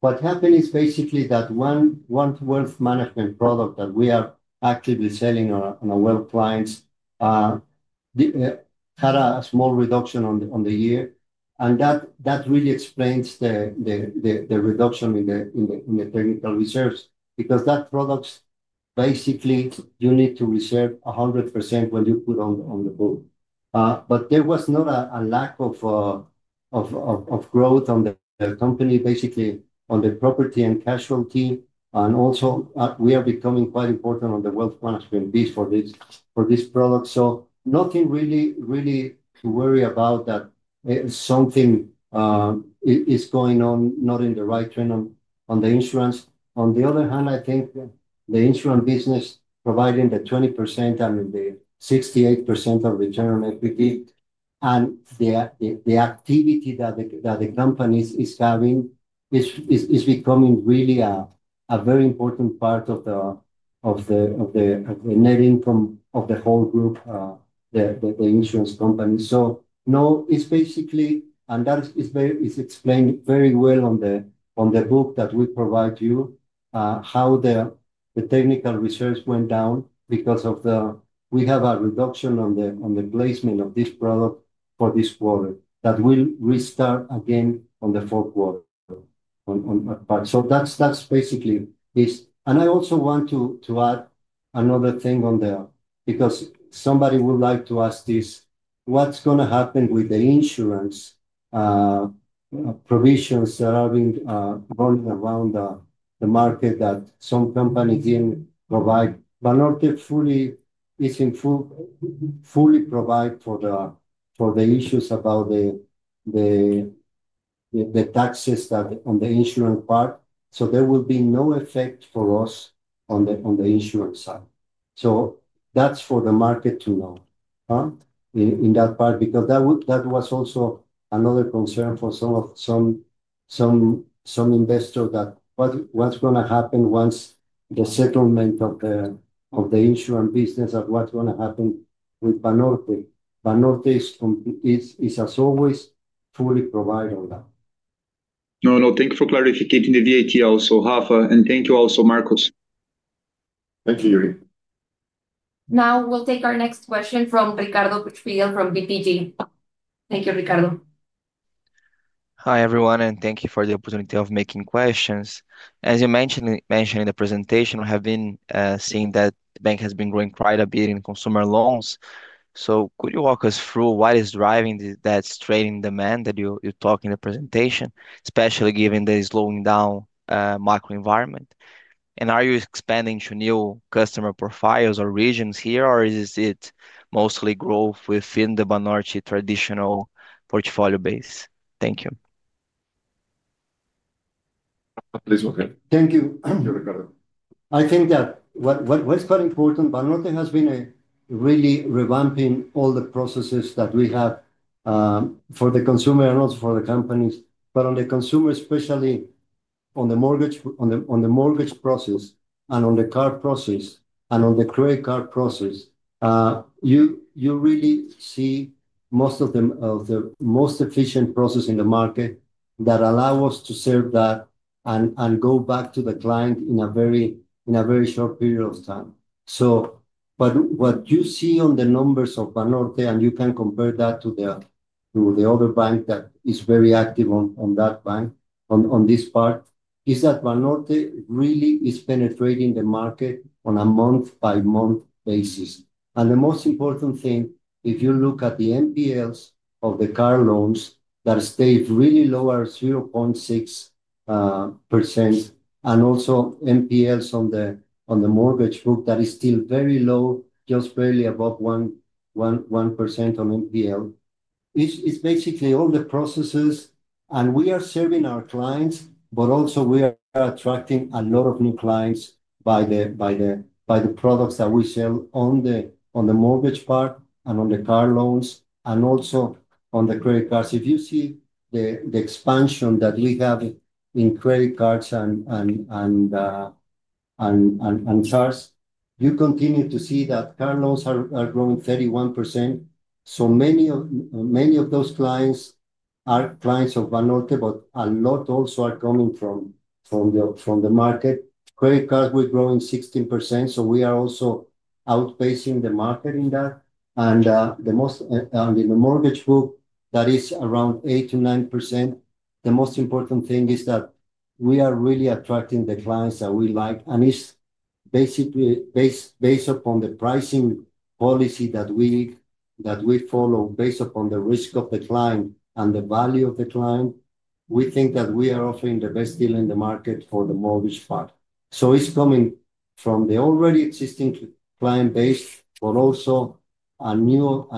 What happened is basically that one wealth management product that we are actively selling on our web clients had a small reduction on the year. And that really explains the reduction in the technical reserves because that product, basically, you need to reserve 100% when you put on the book. But there was not a lack of growth on the company, basically on the property and casualty. And also, we are becoming quite important on the wealth management piece for this product. So nothing really to worry about that something is going on, not in the right trend on the insurance. On the other hand, I think the insurance business providing the 20%, I mean, the 68% of return on equity, and the activity that the company is having is becoming really a very important part of the net income of the whole group, the insurance company. So no, it's basically, and that is explained very well on the book that we provide you, how the technical reserves went down because of the, we have a reduction on the placement of this product for this quarter that will restart again on the fourth quarter. So that's basically this. And I also want to add another thing on there because somebody would like to ask this, what's going to happen with the insurance provisions that are being run around the market that some companies didn't provide, but not fully provide for the issues about the taxes on the insurance part. So there will be no effect for us on the insurance side. So that's for the market to know. In that part, because that was also another concern for some investors that what's going to happen once the settlement of the insurance business, of what's going to happen with Banorte? Banorte is as always fully provided on that. No, no. Thank you for clarificating the VAT also, Rafa. And thank you also, Marcos. Thank you, Yuri. Now we'll take our next question from Ricardo Buchpiguel from BTG. Thank you, Ricardo. Hi, everyone, and thank you for the opportunity of making questions. As you mentioned in the presentation, we have been seeing that the bank has been growing quite a bit in consumer loans. So could you walk us through what is driving that straining demand that you talked in the presentation, especially given the slowing down macro environment? And are you expanding to new customer profiles or regions here, or is it mostly growth within the Banorte traditional portfolio base? Thank you. Please go ahead. Thank you. Thank you, Ricardo. I think that what's quite important, Banorte has been really revamping all the processes that we have for the consumer and also for the companies. But on the consumer, especially on the mortgage process and on the card process and on the credit card process, you really see most of the most efficient process in the market that allow us to serve that and go back to the client in a very short period of time. But what you see on the numbers of Banorte, and you can compare that to the other bank that is very active on that bank, on this part, is that Banorte really is penetrating the market on a month-by-month basis. And the most important thing, if you look at the NPLs of the car loans that stay really low at 0.6%, and also NPLs on the mortgage book that is still very low, just barely above 1% on NPL. It's basically all the processes. And we are serving our clients, but also we are attracting a lot of new clients by the products that we sell on the mortgage part and on the car loans and also on the credit cards. If you see the expansion that we have in credit cards and cars, you continue to see that car loans are growing 31%. So many of those clients are clients of Banorte, but a lot also are coming from the market. Credit cards, we're growing 16%. So we are also outpacing the market in that. And in the mortgage book, that is around 8%-9%. The most important thing is that we are really attracting the clients that we like. And it's basically based upon the pricing policy that we follow based upon the risk of the client and the value of the client, we think that we are offering the best deal in the market for the mortgage part. So it's coming from the already existing client base, but also a lot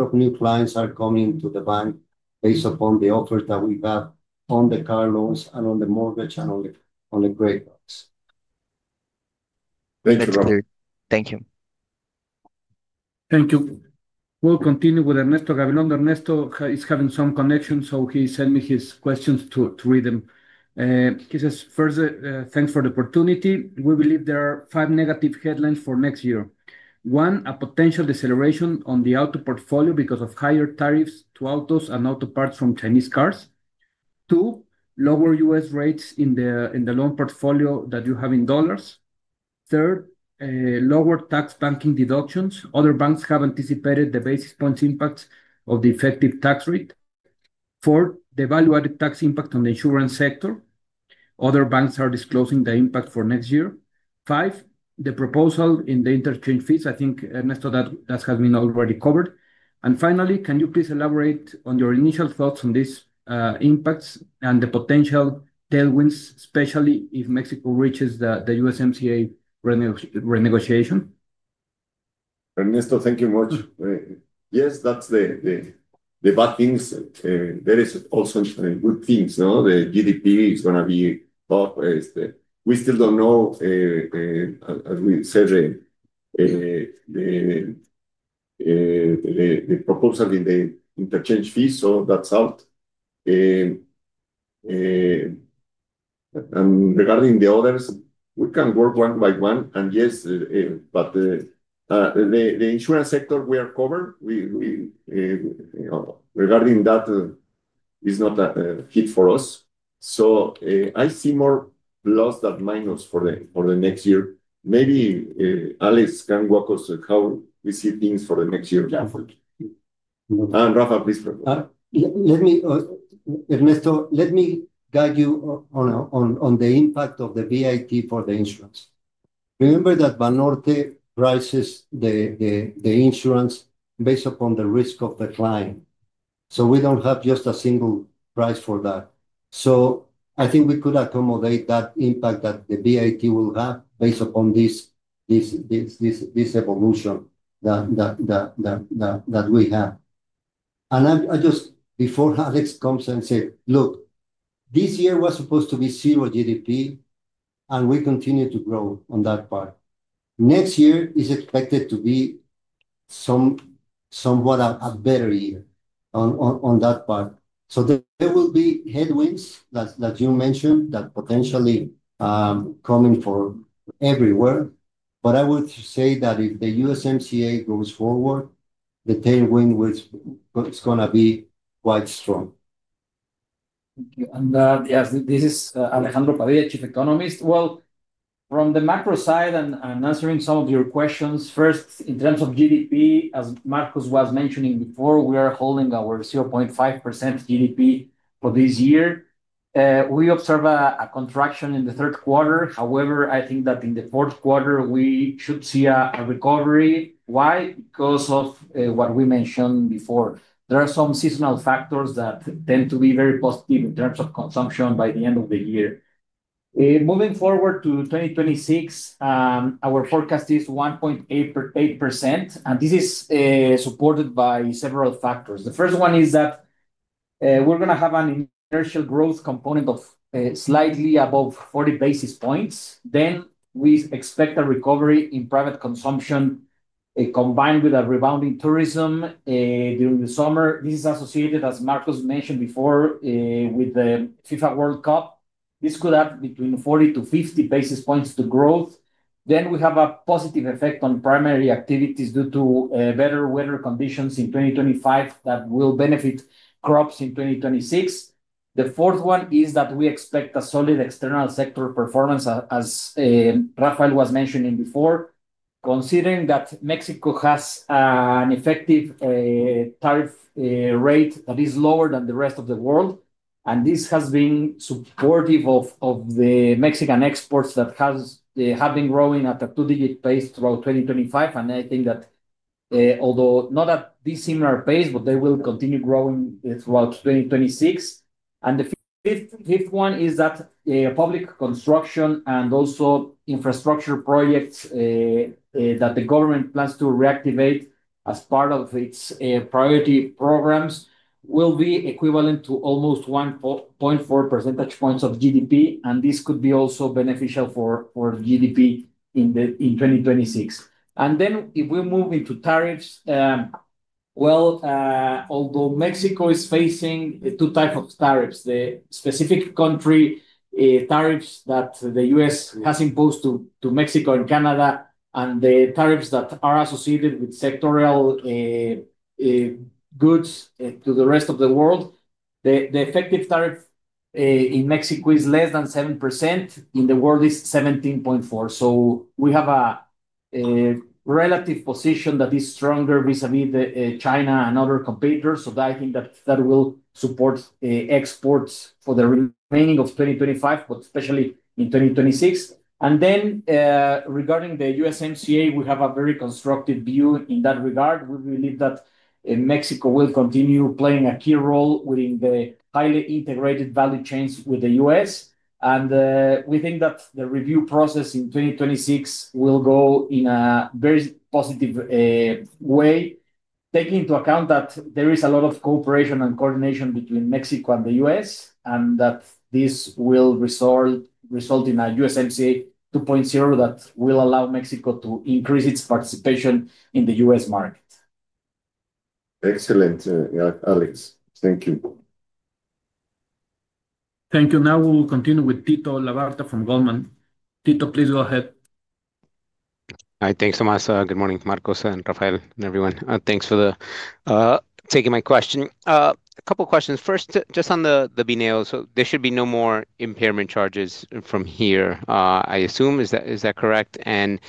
of new clients are coming to the bank based upon the offers that we've got on the car loans and on the mortgage and on the credit cards. Thank you, Rafa. Thank you. Thank you. We'll continue with Ernesto Gabilondo. Ernesto is having some connections, so he sent me his questions to read them. He says, "First, thanks for the opportunity. We believe there are five negative headlines for next year. One, a potential deceleration on the auto portfolio because of higher tariffs to autos and auto parts from Chinese cars. Two, lower U.S. rates in the loan portfolio that you have in dollars. Third, lower tax banking deductions. Other banks have anticipated the basis points impact of the effective tax rate. Fourth, the evaluated tax impact on the insurance sector. Other banks are disclosing the impact for next year. Five, the proposal in the interchange fees. I think, Ernesto, that has been already covered. And finally, can you please elaborate on your initial thoughts on these impacts and the potential tailwinds, especially if Mexico reaches the USMCA renegotiation?" Ernesto, thank you very much. Yes, that's the bad things. There are also good things. The GDP is going to be up. We still don't know. As we said, the proposal in the interchange fees, so that's out. And regarding the others, we can work one by one. And yes, but the insurance sector we are covered, regarding that it's not a hit for us. So I see more plus than minus for the next year. Maybe Alex can walk us through how we see things for the next year. And Rafa, please go ahead. Ernesto, let me guide you on the impact of the VAT for the insurance. Remember that Banorte prices the insurance based upon the risk of the client. So we don't have just a single price for that. So I think we could accommodate that impact that the VAT will have based upon this evolution that we have. And just before Alex comes and says, "Look, this year was supposed to be zero GDP, and we continue to grow on that part. Next year is expected to be somewhat a better year on that part." So there will be headwinds that you mentioned that potentially coming for everywhere. But I would say that if the USMCA goes forward, the tailwind is going to be quite strong. And this is Alejandro Padilla, Chief Economist. Well, from the macro side and answering some of your questions, first, in terms of GDP, as Marcos was mentioning before, we are holding our 0.5% GDP for this year. We observe a contraction in the third quarter. However, I think that in the fourth quarter, we should see a recovery. Why? Because of what we mentioned before. There are some seasonal factors that tend to be very positive in terms of consumption by the end of the year. Moving forward to 2026. Our forecast is 1.8%. And this is supported by several factors. The first one is tha we're going to have an inertial growth component of slightly above 40 basis points. Then we expect a recovery in private consumption combined with a rebound in tourism during the summer. This is associated, as Marcos mentioned before, with the FIFA World Cup. This could add between 40-50 basis points to growth. Then we have a positive effect on primary activities due to better weather conditions in 2025 that will benefit crops in 2026. The fourth one is that we expect a solid external sector performance, as Rafael was mentioning before. Considering that Mexico has an effective tariff rate that is lower than the rest of the world. And this has been supportive of the Mexican exports that have been growing at a two-digit pace throughout 2025. And I think that although not at this similar pace, but they will continue growing throughout 2026. And the fifth one is that public construction and also infrastructure projects that the government plans to reactivate as part of its priority programs will be equivalent to almost 1.4 percentage points of GDP. And this could be also beneficial for GDP in 2026. And then if we move into tariffs. Well, although Mexico is facing two types of tariffs, the specific country tariffs that the U.S. has imposed to Mexico and Canada, and the tariffs that are associated with sectoral goods to the rest of the world. The effective tariff in Mexico is less than 7%. In the world, it's 17.4%. So we have a relative position that is stronger vis-à-vis China and other competitors. So I think that that will support exports for the remaining of 2025, but especially in 2026. And then regarding the USMCA, we have a very constructive view in that regard. We believe that Mexico will continue playing a key role within the highly integrated value chains with the U.S. And we think that the review process in 2026 will go in a very positive way taking into account that there is a lot of cooperation and coordination between Mexico and the U.S., and that this will result in a USMCA 2.0 that will allow Mexico to increase its participation in the U.S. market. Excellent, Alex. Thank you. Thank you. Now we'll continue with Tito Labarta from Goldman. Tito, please go ahead. Hi, thanks, Tomás. Good morning, Marcos and Rafael and everyone. Thanks for taking my question. A couple of questions. First, just on the Bineo, so there should be no more impairment charges from here, I assume. Is that correct? And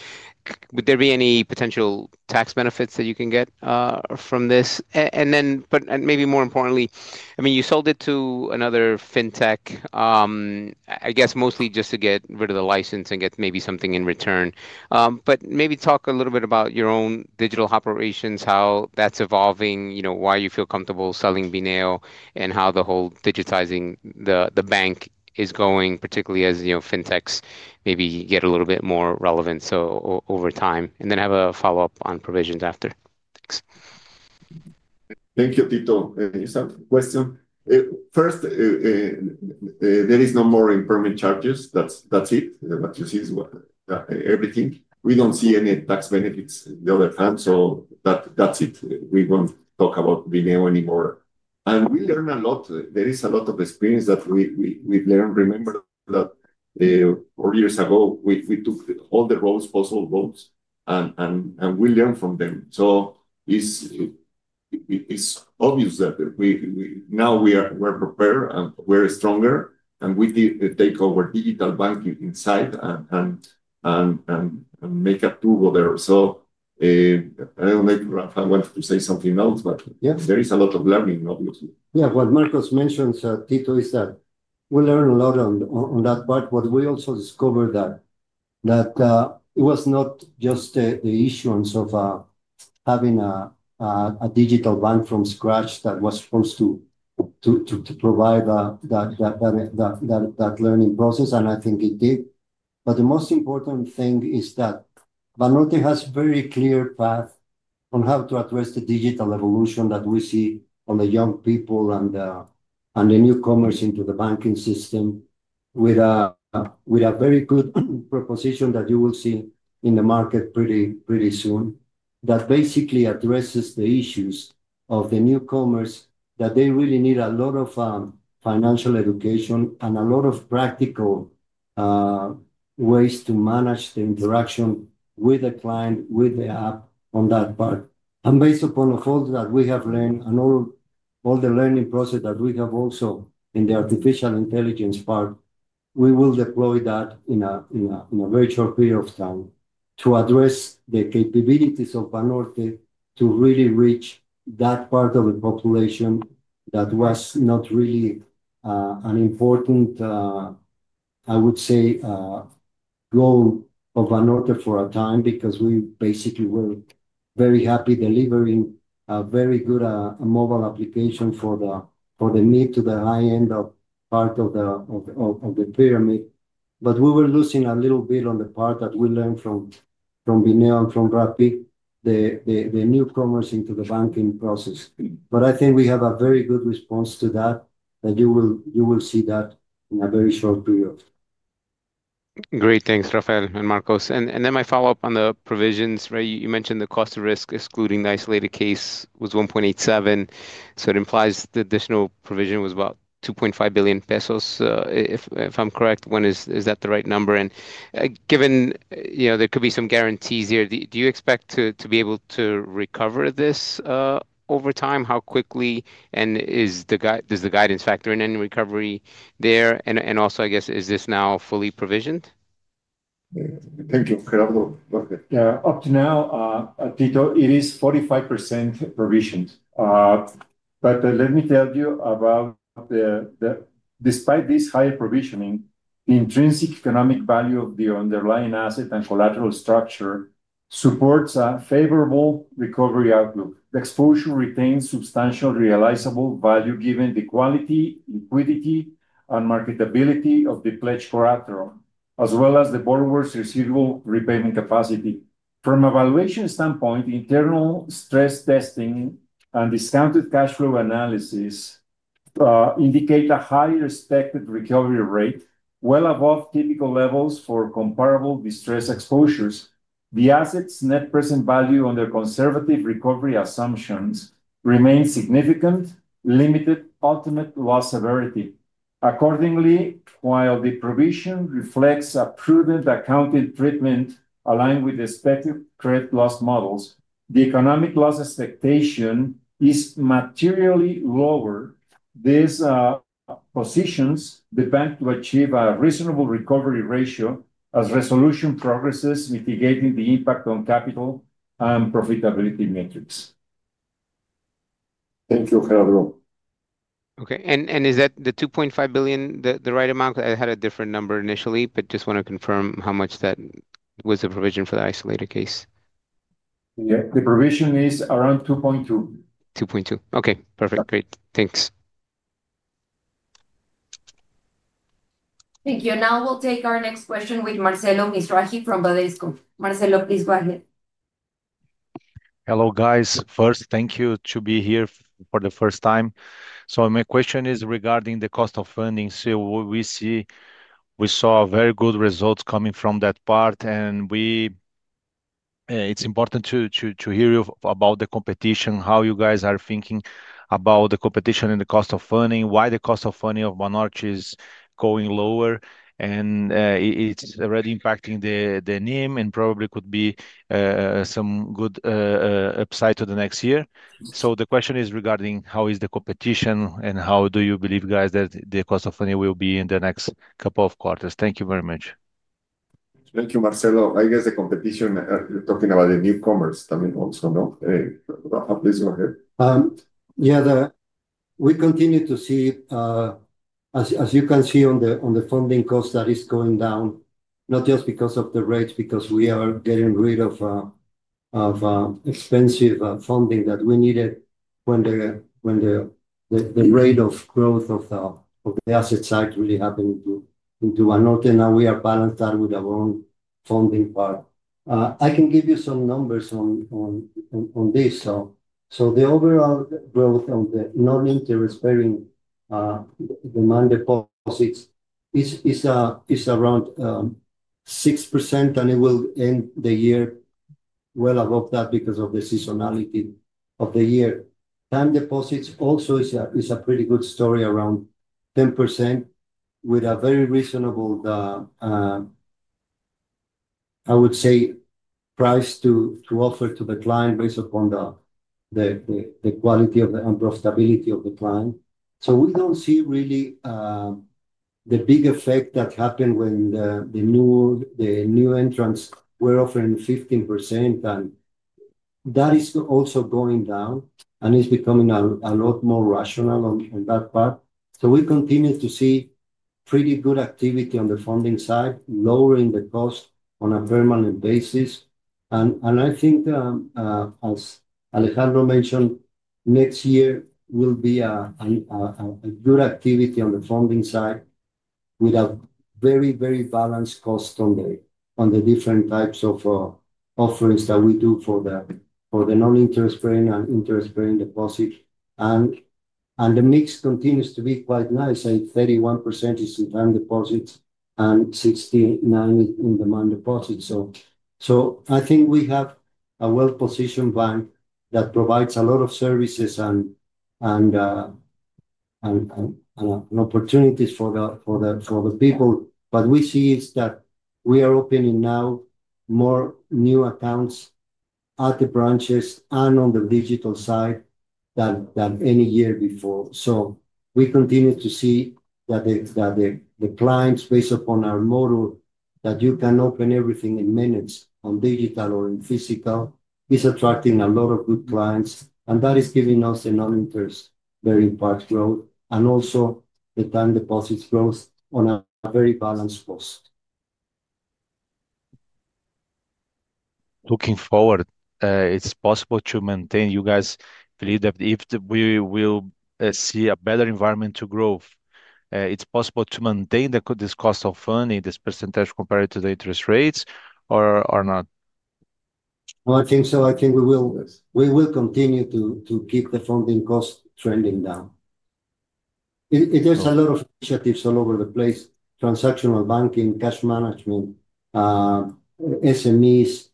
would there be any potential tax benefits that you can get from this? And then, but maybe more importantly, I mean, you sold it to another fintech. I guess mostly just to get rid of the license and get maybe something in return. But maybe talk a little bit about your own digital operations, how that's evolving, why you feel comfortable selling Bineo, and how the whole digitizing the bank is going, particularly as fintechs maybe get a little bit more relevant over time. And then have a follow-up on provisions after. Thanks. Thank you, Tito. You start the question. First, there are no more impairment charges. That's it. That is everything. We don't see any tax benefits on the other hand. So that's it. We won't talk about Bineo anymore. And we learned a lot. There is a lot of experience that we've learned. Remember that four years ago, we took all the roads, possible roads, and we learned from them. So it's obvious that now we are prepared and we're stronger, and we take our digital banking inside and make a tool there. So I don't know if Rafa want to say something else, but yeah, there is a lot of learning, obviously. Yeah, what Marcos mentioned, Tito, is that we learned a lot on that part, but we also discovered that it was not just the issuance of having a digital bank from scratch that was supposed to provide that learning process. And I think it did. But the most important thing is that Banorte has a very clear path on how to address the digital evolution that we see on the young people and the newcomers into the banking system with a very good proposition that you will see in the market pretty soon that basically addresses the issues of the newcomers that they really need a lot of financial education and a lot of practical ways to manage the interaction with the client, with the app on that part. And based upon all that we have learned and all the learning process that we have also in the artificial intelligence part, we will deploy that in a very short period of time to address the capabilities of Banorte to really reach that part of the population that was not really an important, I would say goal of Banorte for a time because we basically were very happy delivering a very good mobile application for the mid to the high-end part of the pyramid. But we were losing a little bit on the part that we learned from Bineo and from Rappi, the newcomers into the banking process. But I think we have a very good response to that, and you will see that in a very short period. Great. Thanks, Rafael and Marcos. And then my follow-up on the provisions, right? You mentioned the cost of risk, excluding the isolated case, was 1.87%. So it implies the additional provision was about 2.5 billion pesos, if I'm correct. Is that the right number? And given there could be some guarantees here, do you expect to be able to recover this over time? How quickly? And does the guidance factor in any recovery there? And also, I guess, is this now fully provisioned? Gerardo, go ahead. Yeah. Up to now, Tito, it is 45% provisioned. But let me tell you about despite this higher provisioning, the intrinsic economic value of the underlying asset and collateral structure supports a favorable recovery outlook. The exposure retains substantial realizable value given the quality, liquidity, and marketability of the pledged collateral, as well as the borrower's receivable repayment capacity. From a valuation standpoint, internal stress testing and discounted cash flow analysis indicate a higher expected recovery rate, well above typical levels for comparable distress exposures. The asset's net present value under conservative recovery assumptions remains significant, limited ultimate loss severity. Accordingly, while the provision reflects a prudent accounting treatment aligned with expected credit loss models, the economic loss expectation is materially lower. This positions the bank to achieve a reasonable recovery ratio as resolution progresses, mitigating the impact on capital and profitability metrics. Thank you, Gerardo. Okay. And is that the 2.5 billion, the right amount? I had a different number initially, but just want to confirm how much that was the provision for the isolated case. Yeah. The provision is around 2.2%. 2.2%. Okay. Perfect. Great. Thanks. Thank you. And now we'll take our next question with Marcelo Mizrahi from Bradesco. Marcelo, please go ahead. Hello, guys. First, thank you to be here for the first time. So my question is regarding the cost of funding. So we saw very good results coming from that part. And it's important to hear you about the competition, how you guys are thinking about the competition and the cost of funding, why the cost of funding of Banorte is going lower, and it's already impacting the NIM and probably could be some good upside to the next year. So the question is regarding how is the competition and how do you believe, guys, that the cost of funding will be in the next couple of quarters. Thank you very much. Thank you, Marcelo. I guess the competition, talking about the newcomers, I mean, also, no? Rafa, please go ahead. Yeah. We continue to see, as you can see on the funding cost that is going down, not just because of the rates, because we are getting rid of expensive funding that we needed when the rate of growth of the asset side really happened to Banorte. Now we are balanced that with our own funding part. I can give you some numbers on this. So the overall growth of the non-interest bearing demand deposits is around 6%, and it will end the year well above that because of the seasonality of the year. Time deposits also is a pretty good story around 10% with a very reasonable, I would say price to offer to the client based upon the quality and profitability of the client. So we don't see really the big effect that happened when the new entrance were offering 15%. And that is also going down, and it's becoming a lot more rational on that part. So we continue to see pretty good activity on the funding side, lowering the cost on a permanent basis. And I think, as Alejandro mentioned, next year will be a good activity on the funding side with a very, very balanced cost on the different types of offers that we do for the non-interest bearing and interest bearing deposit. And the mix continues to be quite nice. 31% is in time deposits and 69% in demand deposits. So I think we have a well-positioned bank that provides a lot of services and opportunities for the people. But we see is that we are opening now more new accounts at the branches and on the digital side than any year before. So we continue to see that the clients, based upon our model, that you can open everything in minutes on digital or in physical, is attracting a lot of good clients. And that is giving us a non-interest bearing parts growth and also the time deposits growth on a very balanced cost. Looking forward, it's possible to maintain. You guys believe that if we will see a better environment to grow, it's possible to maintain this cost of funding, this percentage compared to the interest rates or not? Well, I think so. I think we will continue to keep the funding cost trending down. There's a lot of initiatives all over the place: transactional banking, cash management, SMEs,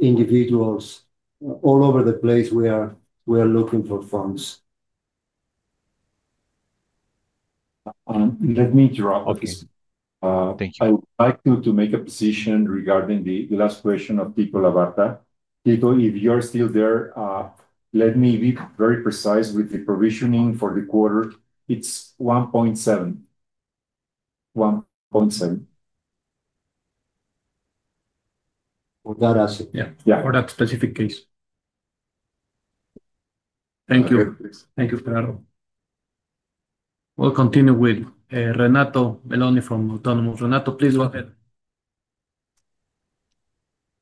individuals, all over the place. We are looking for funds. Let me drop. I would like to make a position regarding the last question of Tito Labarta. Tito, if you're still there, let me be very precise with the provisioning for the quarter. It's 1.7. 1.7. Yeah. For that specific case. Thank you. Thank you, Gerardo. We'll continue with Renato Meloni from Autonomous. Renato, please go ahead.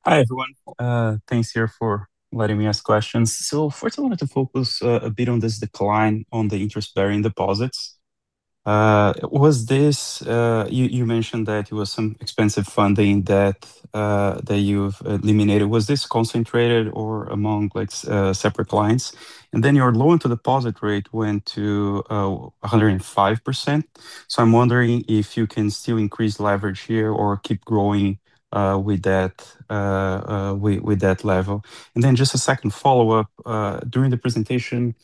Hi, everyone. Thanks here for letting me ask questions. So first, I wanted to focus a bit on this decline on the interest-bearing deposits. You mentioned that it was some expensive funding that you've eliminated. Was this concentrated or among separate clients? And then your loan-to-deposit rate went to 105%. So I'm wondering if you can still increase leverage here or keep growing with that level. And then just a second follow-up. During the presentation,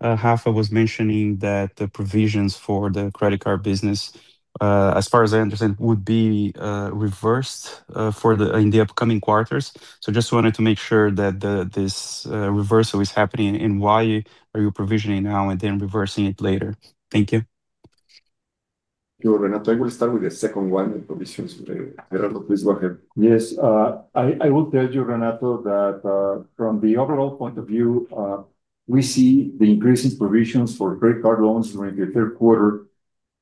Rafa was mentioning that the provisions for the credit card business as far as I understand, would be reversed in the upcoming quarters. So just wanted to make sure that this reversal is happening and why are you provisioning now and then reversing it later. Thank you. Sure. Renato, I will start with the second one, the provisions. Gerardo, please go ahead. Yes. I will tell you, Renato, that from the overall point of view we see the increase in provisions for credit card loans during the third quarter,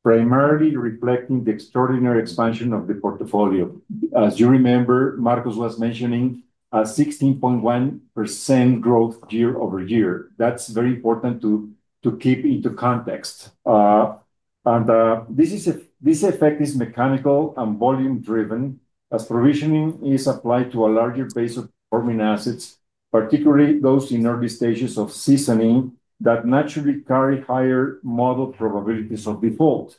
primarily reflecting the extraordinary expansion of the portfolio. As you remember, Marcos was mentioning a 16.1% growth year-over-year. That's very important to keep into context. And this effect is mechanical and volume-driven as provisioning is applied to a larger base of forming assets, particularly those in early stages of seasoning that naturally carry higher model probabilities of default.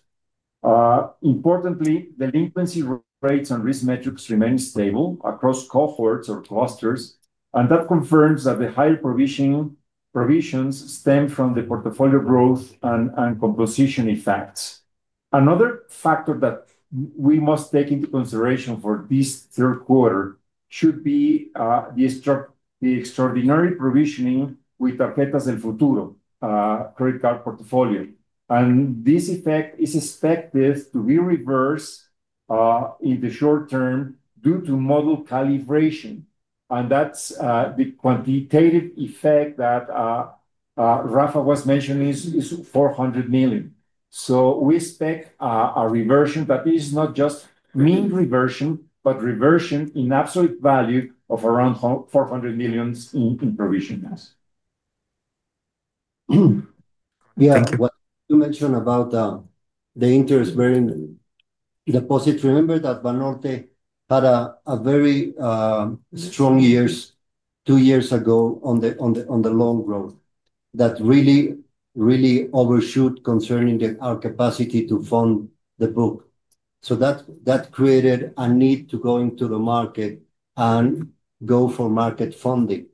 Importantly, delinquency rates and risk metrics remain stable across cohorts or clusters, and that confirms that the higher provisions stem from the portfolio growth and composition effects. Another factor that we must take into consideration for this third quarter should be the extraordinary provisioning with Tarjetas del Futuro credit card portfolio. And this effect is expected to be reversed in the short-term due to model calibration. And that's the quantitative effect that Rafa was mentioning is 400 million. So we expect a reversion that is not just mean reversion, but reversion in absolute value of around 400 million in provisions. Yeah. You mentioned about the interest-bearing deposits. Remember that Banorte had a very strong years two years ago on the long growth that really, really overshoot concerning our capacity to fund the book. So that created a need to go into the market and go for market funding.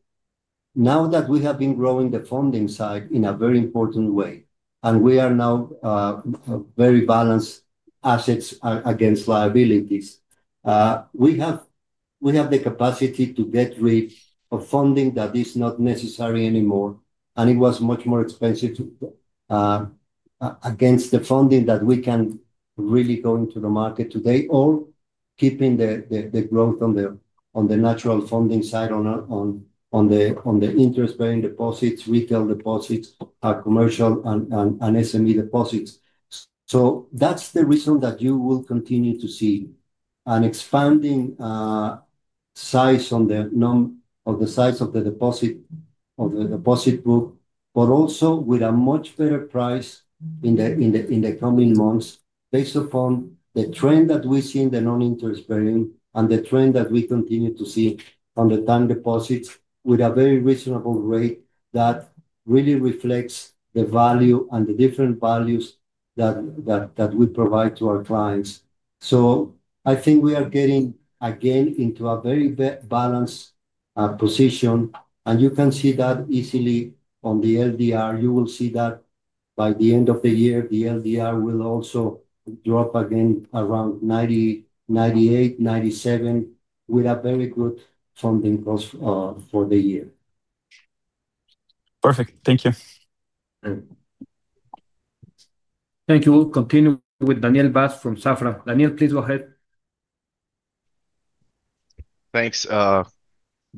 Now that we have been growing the funding side in a very important way, and we are now very balanced assets against liabilities. We have the capacity to get rid of funding that is not necessary anymore, and it was much more expensive against the funding that we can really go into the market today or keeping the growth on the natural funding side on the interest-bearing deposits, retail deposits, commercial, and SME deposits. So that's the reason that you will continue to see an expanding size of the deposit book, but also with a much better price in the coming months based upon the trend that we see in the non-interest bearing and the trend that we continue to see on the time deposits with a very reasonable rate that really reflects the value and the different values that we provide to our clients. So I think we are getting again into a very balanced position. And you can see that easily on the LDR. You will see that by the end of the year, the LDR will also drop again around 98%, 97% with a very good funding cost for the year. Perfect. Thank you. Thank you. We'll continue with Daniel Vaz from Safra. Daniel, please go ahead. Thanks. Good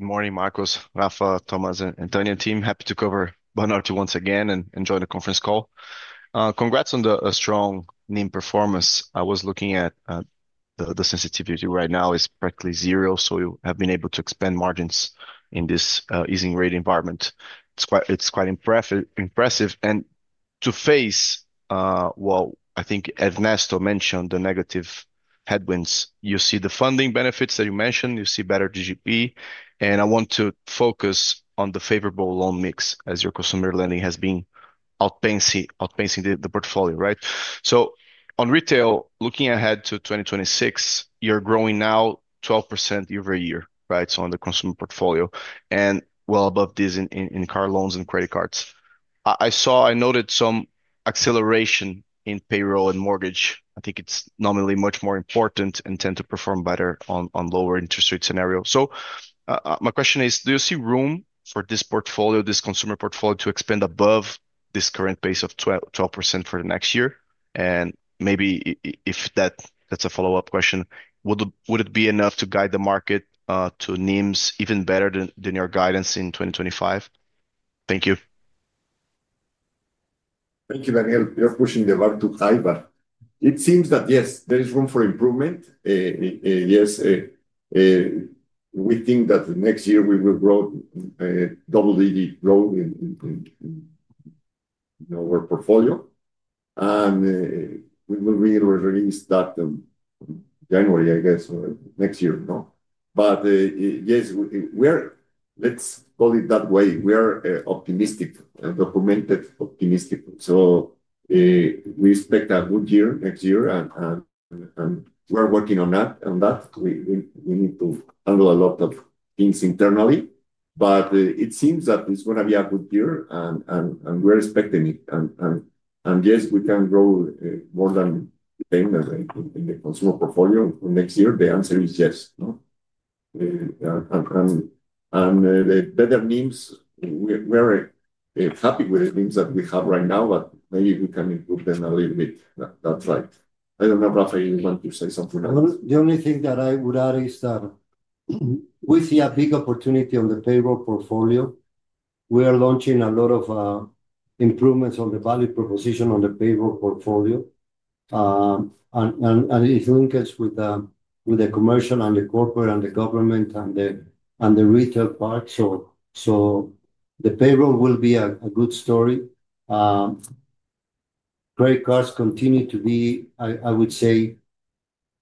morning, Marcos, Rafa, Tomás, and entire team. Happy to cover Banorte once again and enjoy the conference call. Congrats on the strong NIM performance. I was looking at the sensitivity right now is practically zero, so you have been able to expand margins in this easing rate environment. It's quite impressive. And to face what, I think Ernesto mentioned, the negative headwinds. You see the funding benefits that you mentioned, you see better GDP? And I want to focus on the favorable loan mix as your consumer lending has been outpacing the portfolio, right? So on retail, looking ahead to 2026, you're growing now 12% year-over-year, right? So on the consumer portfolio and well above this in car loans and credit cards. I noted some acceleration in payroll and mortgage. I think it's nominally much more important and tends to perform better on lower interest rate scenarios. So my question is, do you see room for this portfolio, this consumer portfolio, to expand above this current pace of 12% for the next year? And maybe if that's a follow-up question, would it be enough to guide the market to NIMs even better than your guidance in 2025? Thank you. Thank you, Daniel. You're pushing the bar too high, but it seems that yes, there is room for improvement. Yes. We think that next year we will grow double-digit growth in our portfolio. And we will really release that January, I guess, next year. But yes, let's call it that way. We are optimistic, documented optimistic. So we expect a good year next year, and we're working on that. We need to handle a lot of things internally. But it seems that it's going to be a good year, and we're expecting it. And yes, we can grow more than in the consumer portfolio next year. The answer is yes. And the better NIMs, we're happy with the NIMs that we have right now, but maybe we can improve them a little bit. That's right. I don't know, Rafa, you want to say something else? The only thing that I would add is we see a big opportunity on the payroll portfolio. We are launching a lot of improvements on the value proposition on the payroll portfolio, and it linked with the commercial and the corporate and the government and the retail part. So the payroll will be a good story. Credit cards continue to be, I would say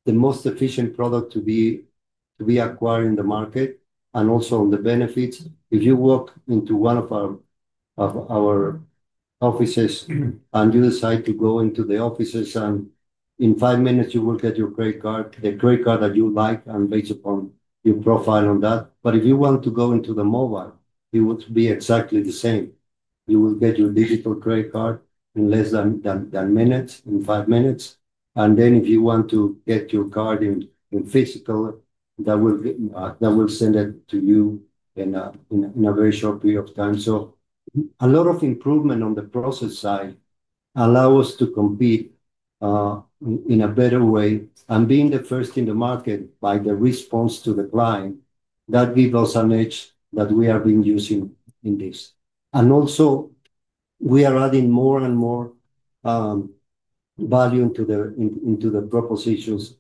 the most efficient product to be acquired in the market and also on the benefits. If you walk into one of our offices and you decide to go into the offices, and in five minutes, you will get your credit card, the credit card that you like, and based upon your profile on that. But if you want to go into the mobile, it would be exactly the same. You will get your digital credit card in less than minutes, in five minutes. And then if you want to get your card in physical, that will send it to you in a very short period of time. So a lot of improvement on the process side allows us to compete in a better way. And being the first in the market by the response to the client, that gives us an edge that we have been using in this. And also, we are adding more and more value into the propositions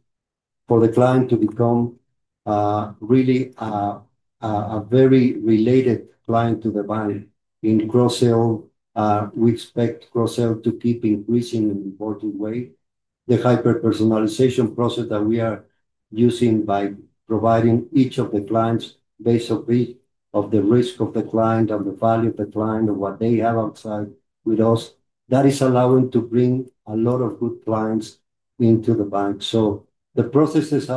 for the client to become really a very related client to the bank. In cross-sale, we expect cross-sale to keep increasing in an important way. The hyper-personalization process that we are using by providing each of the clients' base of the risk of the client and the value of the client and what they have outside with us, that is allowing to bring a lot of good clients into the bank. So the processes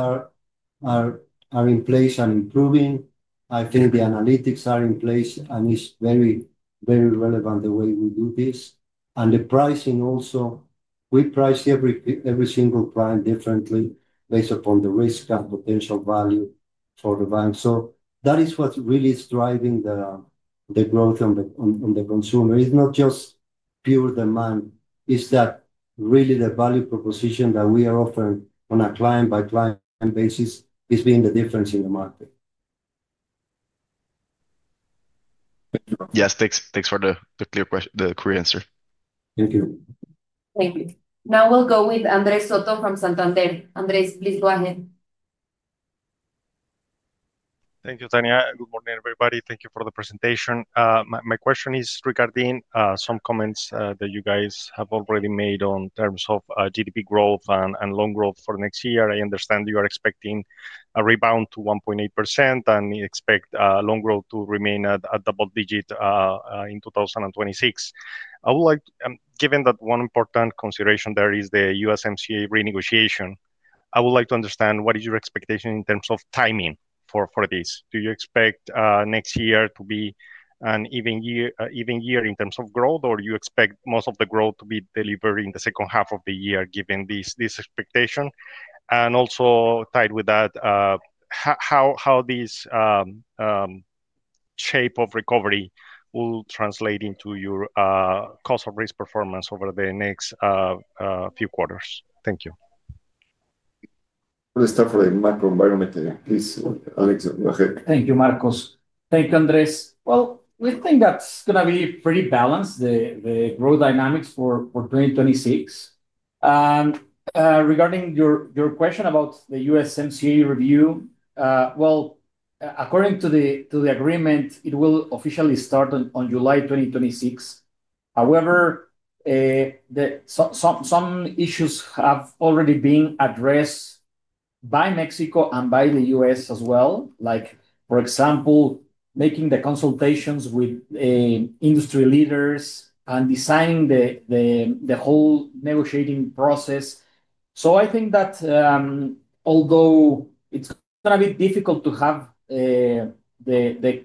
are in place and improving. I think the analytics are in place, and it's very, very relevant the way we do this. And the pricing also, we price every single client differently based upon the risk and potential value for the bank. So that is what really is driving the growth on the consumer. It's not just pure demand. It's that really the value proposition that we are offering on a client-by-client basis is being the difference in the market. Thank you. Yes. Thanks for the clear answer. Thank you. Now we'll go with Andres Soto from Santander. Andres, please go ahead. Thank you, Tania. Good morning, everybody. Thank you for the presentation. My question is regarding some comments that you guys have already made in terms of GDP growth and loan growth for next year. I understand you are expecting a rebound to 1.8% and expect loan growth to remain at double-digit in 2026. Given that one important consideration there is the USMCA renegotiation, I would like to understand what is your expectation in terms of timing for this. Do you expect next year to be an even year in terms of growth, or do you expect most of the growth to be delivered in the second half of the year given this expectation? And also tied with that. How this shape of recovery will translate into your cost of risk performance over the next few quarters? Thank you. We'll start for the macro environment. Please, Alex, go ahead. Thank you, Marcos. Thank you, Andres. Well, we think that's going to be pretty balanced, the growth dynamics for 2026. Regarding your question about the USMCA review. Well, according to the agreement, it will officially start on July 2026. However, some issues have already been addressed by Mexico and by the U.S. as well, like for example, making the consultations with industry leaders and designing the whole negotiating process. So I think that although it's going to be difficult to have the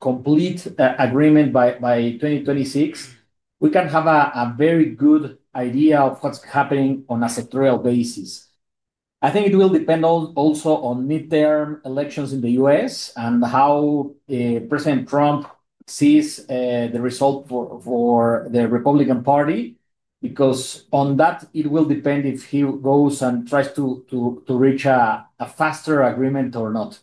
complete agreement by 2026, we can have a very good idea of what's happening on a sectoral basis. I think it will depend also on midterm elections in the U.S. and how President Trump sees the result for the Republican Party, because on that, it will depend if he goes and tries to reach a faster agreement or not.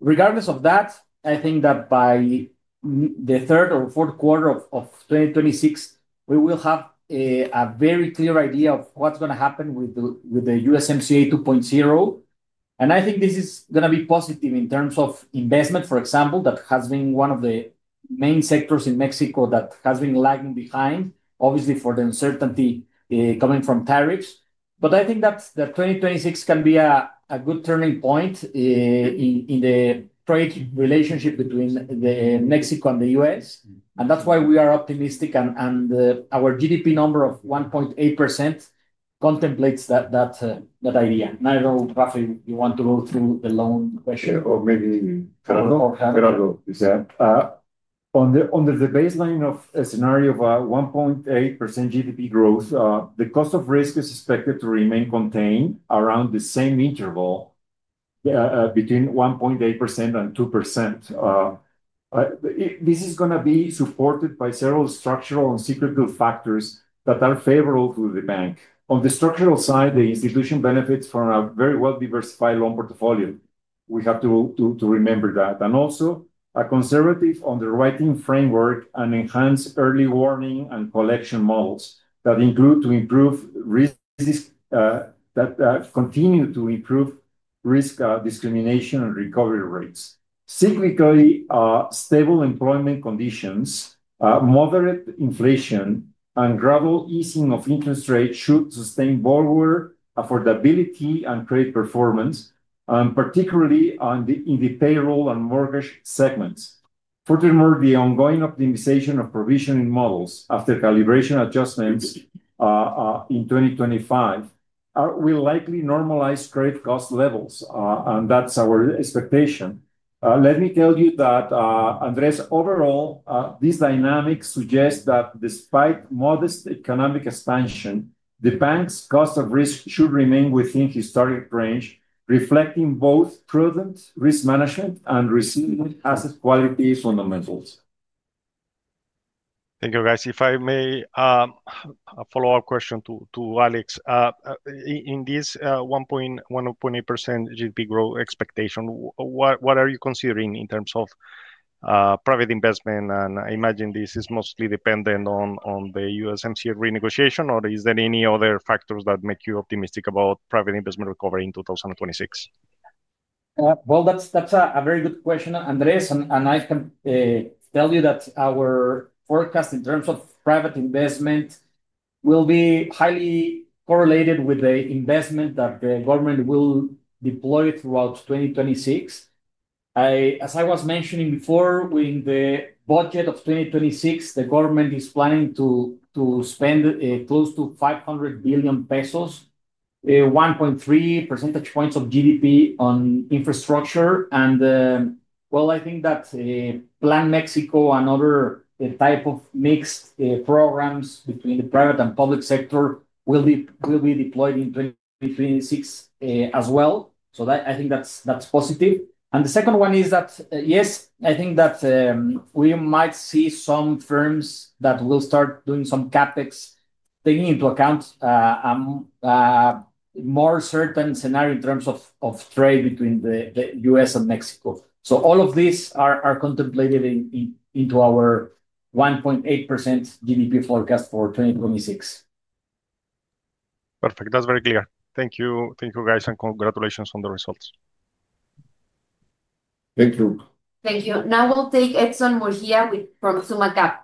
Regardless of that, I think that by the third or fourth quarter of 2026, we will have a very clear idea of what's going to happen with the USMCA 2.0. And I think this is going to be positive in terms of investment, for example, that has been one of the main sectors in Mexico that has been lagging behind, obviously for the uncertainty coming from tariffs. But I think that 2026 can be a good turning point in the trade relationship between Mexico and the U.S. And that's why we are optimistic, and our GDP number of 1.8% contemplates that idea. I don't know, Rafael, you want to go through the loan question. Under the baseline of a scenario of 1.8% GDP growth, the cost of risk is expected to remain contained around the same interval. Between 1.8% and 2%. This is going to be supported by several structural and secretive factors that are favorable to the bank. On the structural side, the institution benefits from a very well-diversified loan portfolio. We have to remember that. And also a conservative underwriting framework and enhanced early warning and collection models that continue to improve risk discrimination and recovery rates. Cyclically stable employment conditions, moderate inflation, and gradual easing of interest rates should sustain borrower affordability and trade performance, and particularly in the payroll and mortgage segments. Furthermore, the ongoing optimization of provisioning models after calibration adjustments in 2025 will likely normalize trade cost levels, and that's our expectation. Let me tell you that, Andres, overall, this dynamic suggests that despite modest economic expansion, the bank's cost of risk should remain within historic range, reflecting both prudent risk management and resilient asset quality fundamentals. Thank you, guys. If I may, a follow-up question to Alex. In this 1.8% GDP growth expectation, what are you considering in terms of private investment? And I imagine this is mostly dependent on the USMCA renegotiation, or is there any other factors that make you optimistic about private investment recovery in 2026? Well, that's a very good question, Andres. And I can tell you that our forecast in terms of private investment will be highly correlated with the investment that the government will deploy throughout 2026. As I was mentioning before, in the budget of 2026, the government is planning to spend close to 500 billion pesos, 1.3 percentage points of GDP on infrastructure. And well, I think that plan Mexico and other types of mixed programs between the private and public sector will be deployed in 2026 as well. So I think that's positive. And the second one is that, yes, I think that we might see some firms that will start doing some CapEx taking into account a more certain scenario in terms of trade between the U.S. and Mexico. So all of these are contemplated into our 1.8% GDP forecast for 2026. Perfect. That's very clear. Thank you. Thank you, guys, and congratulations on the results. Thank you. Now we'll take Edson Murguía from SummaCap.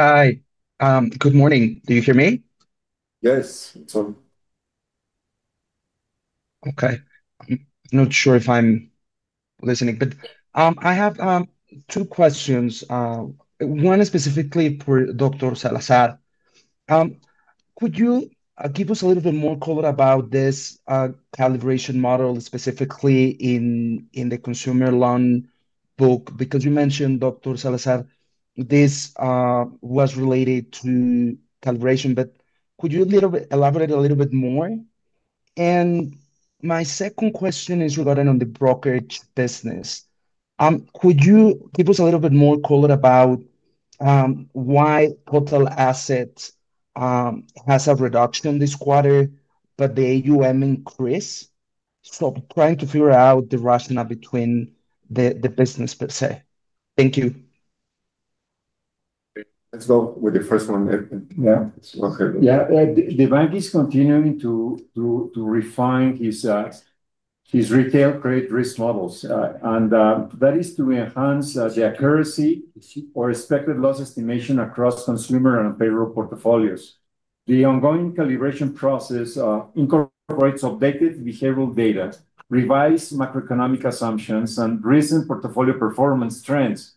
Hi. Good morning. Do you hear me? Yes. Okay. I'm not sure if I'm listening, but I have two questions. One is specifically for Dr. Salazar. Could you give us a little bit more color about this calibration model, specifically in the consumer loan book? Because you mentioned, Dr. Salazar, this was related to calibration, but could you elaborate a little bit more? And my second question is regarding the brokerage business. Could you give us a little bit more color about why total assets has a reduction this quarter, but the AUM increased? So I'm trying to figure out the rationale between the business per se. Thank you. Let's go with the first one. Yeah. The bank is continuing to refine his retail trade risk models. And that is to enhance the accuracy or expected loss estimation across consumer and payroll portfolios. The ongoing calibration process incorporates updated behavioral data, revised macroeconomic assumptions, and recent portfolio performance trends.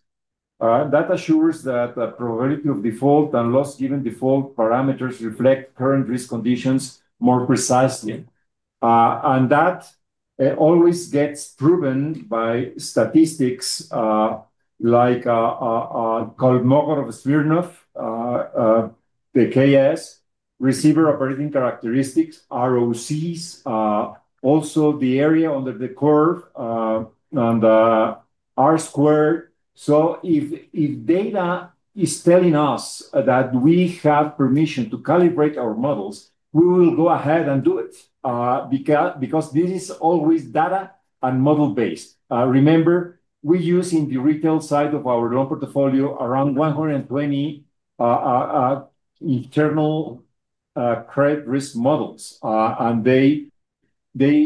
That assures that the probability of default and loss-given default parameters reflect current risk conditions more precisely. And that always gets proven by statistics like called Kolmogorov-Smirnov, the KS, receiver operating characteristics, ROCs, also the area under the curve and R-squared. So if data is telling us that we have permission to calibrate our models, we will go ahead and do it because this is always data and model-based. Remember, we use in the retail side of our loan portfolio around 120 internal credit risk models. And they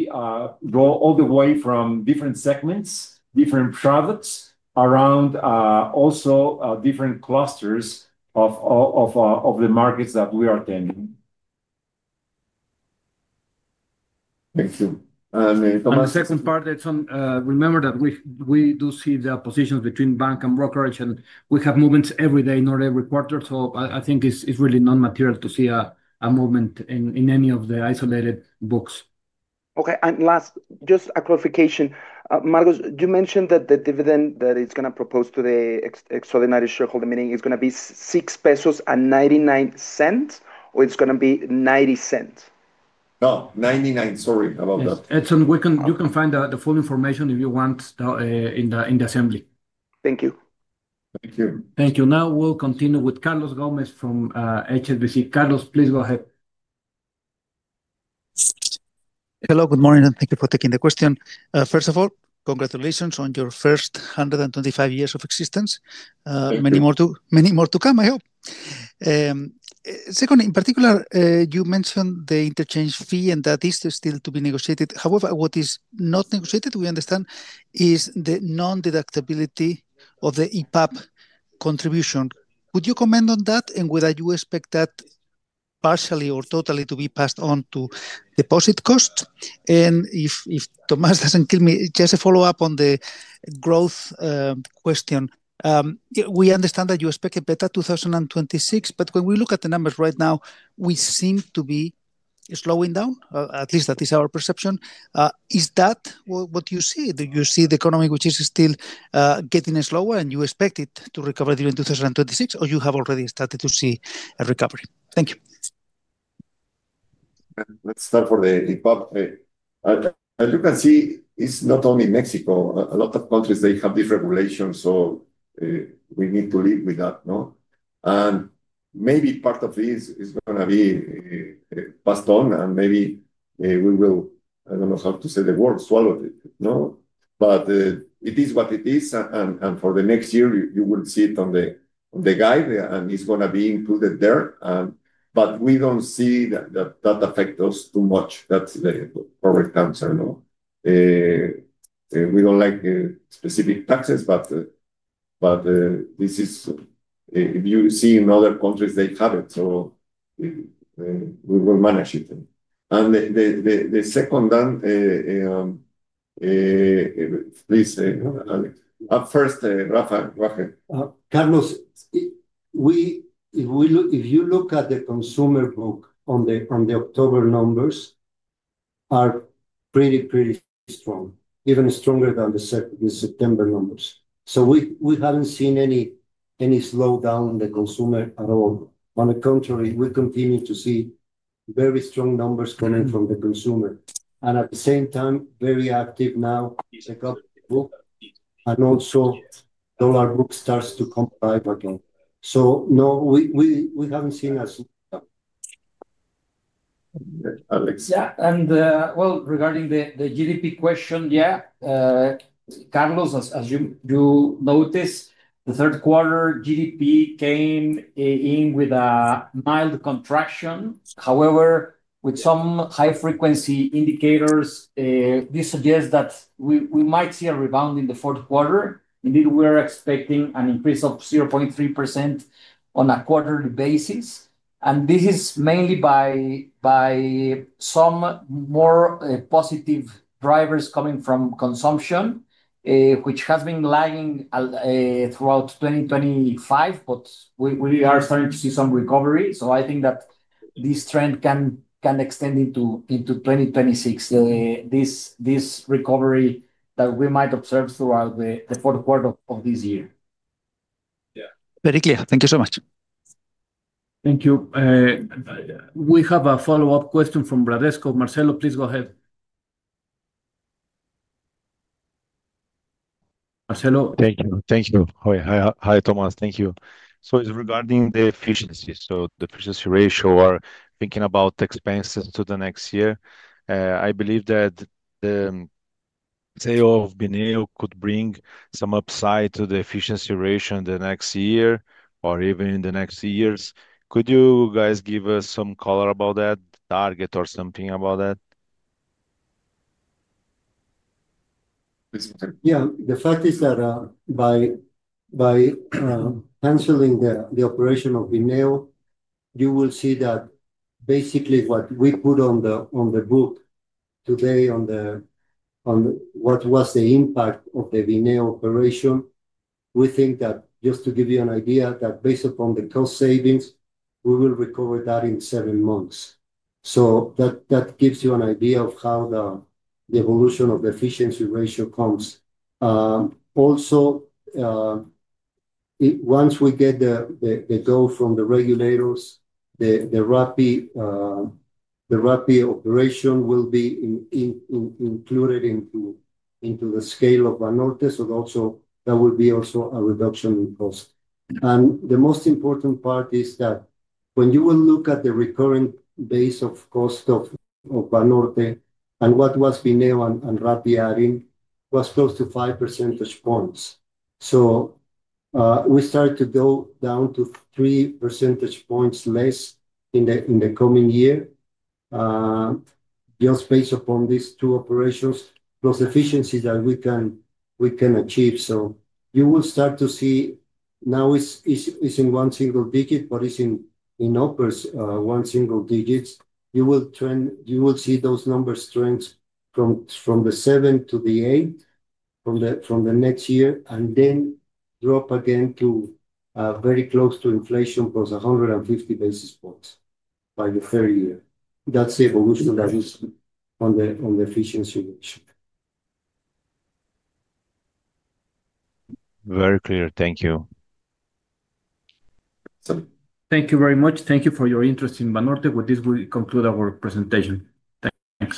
go all the way from different segments, different products, around also different clusters of the markets that we are attending. And the second part, Edson, remember that we do see the positions between bank and brokerage, and we have movements every day, not every quarter. So I think it's really non-material to see a movement in any of the isolated books. Okay. And last, just a clarification. Marcos, you mentioned that the dividend that it's going to propose to the extraordinary shareholder meeting is going to be 60.99 pesos, or it's going to be 0.90? No, 0.99, sorry about that. Edson, you can find the full information if you want in the assembly. Thank you. Thank you. Now we'll continue with Carlos Gomez from HSBC. Carlos, please go ahead. Hello. Good morning. And thank you for taking the question. First of all, congratulations on your first 125 years of existence. Many more to come, I hope. Second, in particular, you mentioned the interchange fee, and that is still to be negotiated. However, what is not negotiated, we understand, is the non-deductibility of the IPAP contribution. Would you comment on that, and would you expect that partially or totally to be passed on to deposit costs? And if Tomás doesn't kill me, just a follow-up on the growth question. We understand that you expect a better 2026, but when we look at the numbers right now, we seem to be slowing down. At least that is our perception. Is that what you see? Do you see the economy which is still getting slower, and you expect it to recover during 2026, or you have already started to see a recovery? Thank you. Let's start for the IPAP. As you can see, it's not only Mexico. A lot of countries, they have these regulations, so we need to live with that. And maybe part of this is going to be passed on, and maybe we will, I don't know how to say the word, swallow it. But it is what it is, and for the next year, you will see it on the guide, and it's going to be included there. But we don't see that affect us too much. That's the correct answer. We don't like specific taxes, but, this is, if you see in other countries, they have it, so we will manage it. And the second one. First, Rafael. Carlos, if you look at the consumer book on the October numbers, are pretty, pretty strong, even stronger than the September numbers. So we haven't seen any slowdown in the consumer at all. On the contrary, we continue to see very strong numbers coming from the consumer. And at the same time, very active now is the government book. And also, dollar book starts to come alive again. So no, we haven't seen as much. Alex? Yeah. And well, regarding the GDP question, yeah. Carlos, as you noticed, the third quarter GDP came in with a mild contraction. However, with some high-frequency indicators. This suggests that we might see a rebound in the fourth quarter. Indeed, we are expecting an increase of 0.3% on a quarterly basis. And this is mainly by some more positive drivers coming from consumption. Which has been lagging throughout 2025, but we are starting to see some recovery. So I think that this trend can extend into 2026. This recovery that we might observe throughout the fourth quarter of this year. Yeah. Very clear. Thank you so much. Thank you. We have a follow-up question from Bradesco. Marcelo, please go ahead. Marcelo. Thank you. Thank you. Hi, Tomás. Thank you. So it's regarding the efficiency. So the efficiency ratio, we're thinking about expenses to the next year. I believe that the sale of Bineo could bring some upside to the efficiency ratio in the next year or even in the next years. Could you guys give us some color about that target or something about that? Yeah. The fact is that by canceling the operation of Bineo, you will see that basically what we put on the book today on what was the impact of the Bineo operation, we think that just to give you an idea, that based upon the cost savings, we will recover that in seven months. So that gives you an idea of how the evolution of the efficiency ratio comes. Also, once we get the go from the regulators, the Rappi operation will be included into the scale of Banorte. So that will be also a reduction in cost. And the most important part is that when you will look at the recurrent base of cost of Banorte and what was Bineo and Rappi adding, it was close to 5 percentage points. So we started to go down to 3 percentage points less in the coming year. Just based upon these two operations, plus efficiencies that we can achieve. So you will start to see now it's in one single digit, but it's in uppers one single digits. You will see those numbers trend from the 7% to the 8% from the next year and then drop again to very close to inflation plus 150 basis points by the third year. That's the evolution that is on the efficiency ratio. Very clear. Thank you. Thank you very much. Thank you for your interest in Banorte. With this, we conclude our presentation. Thank you.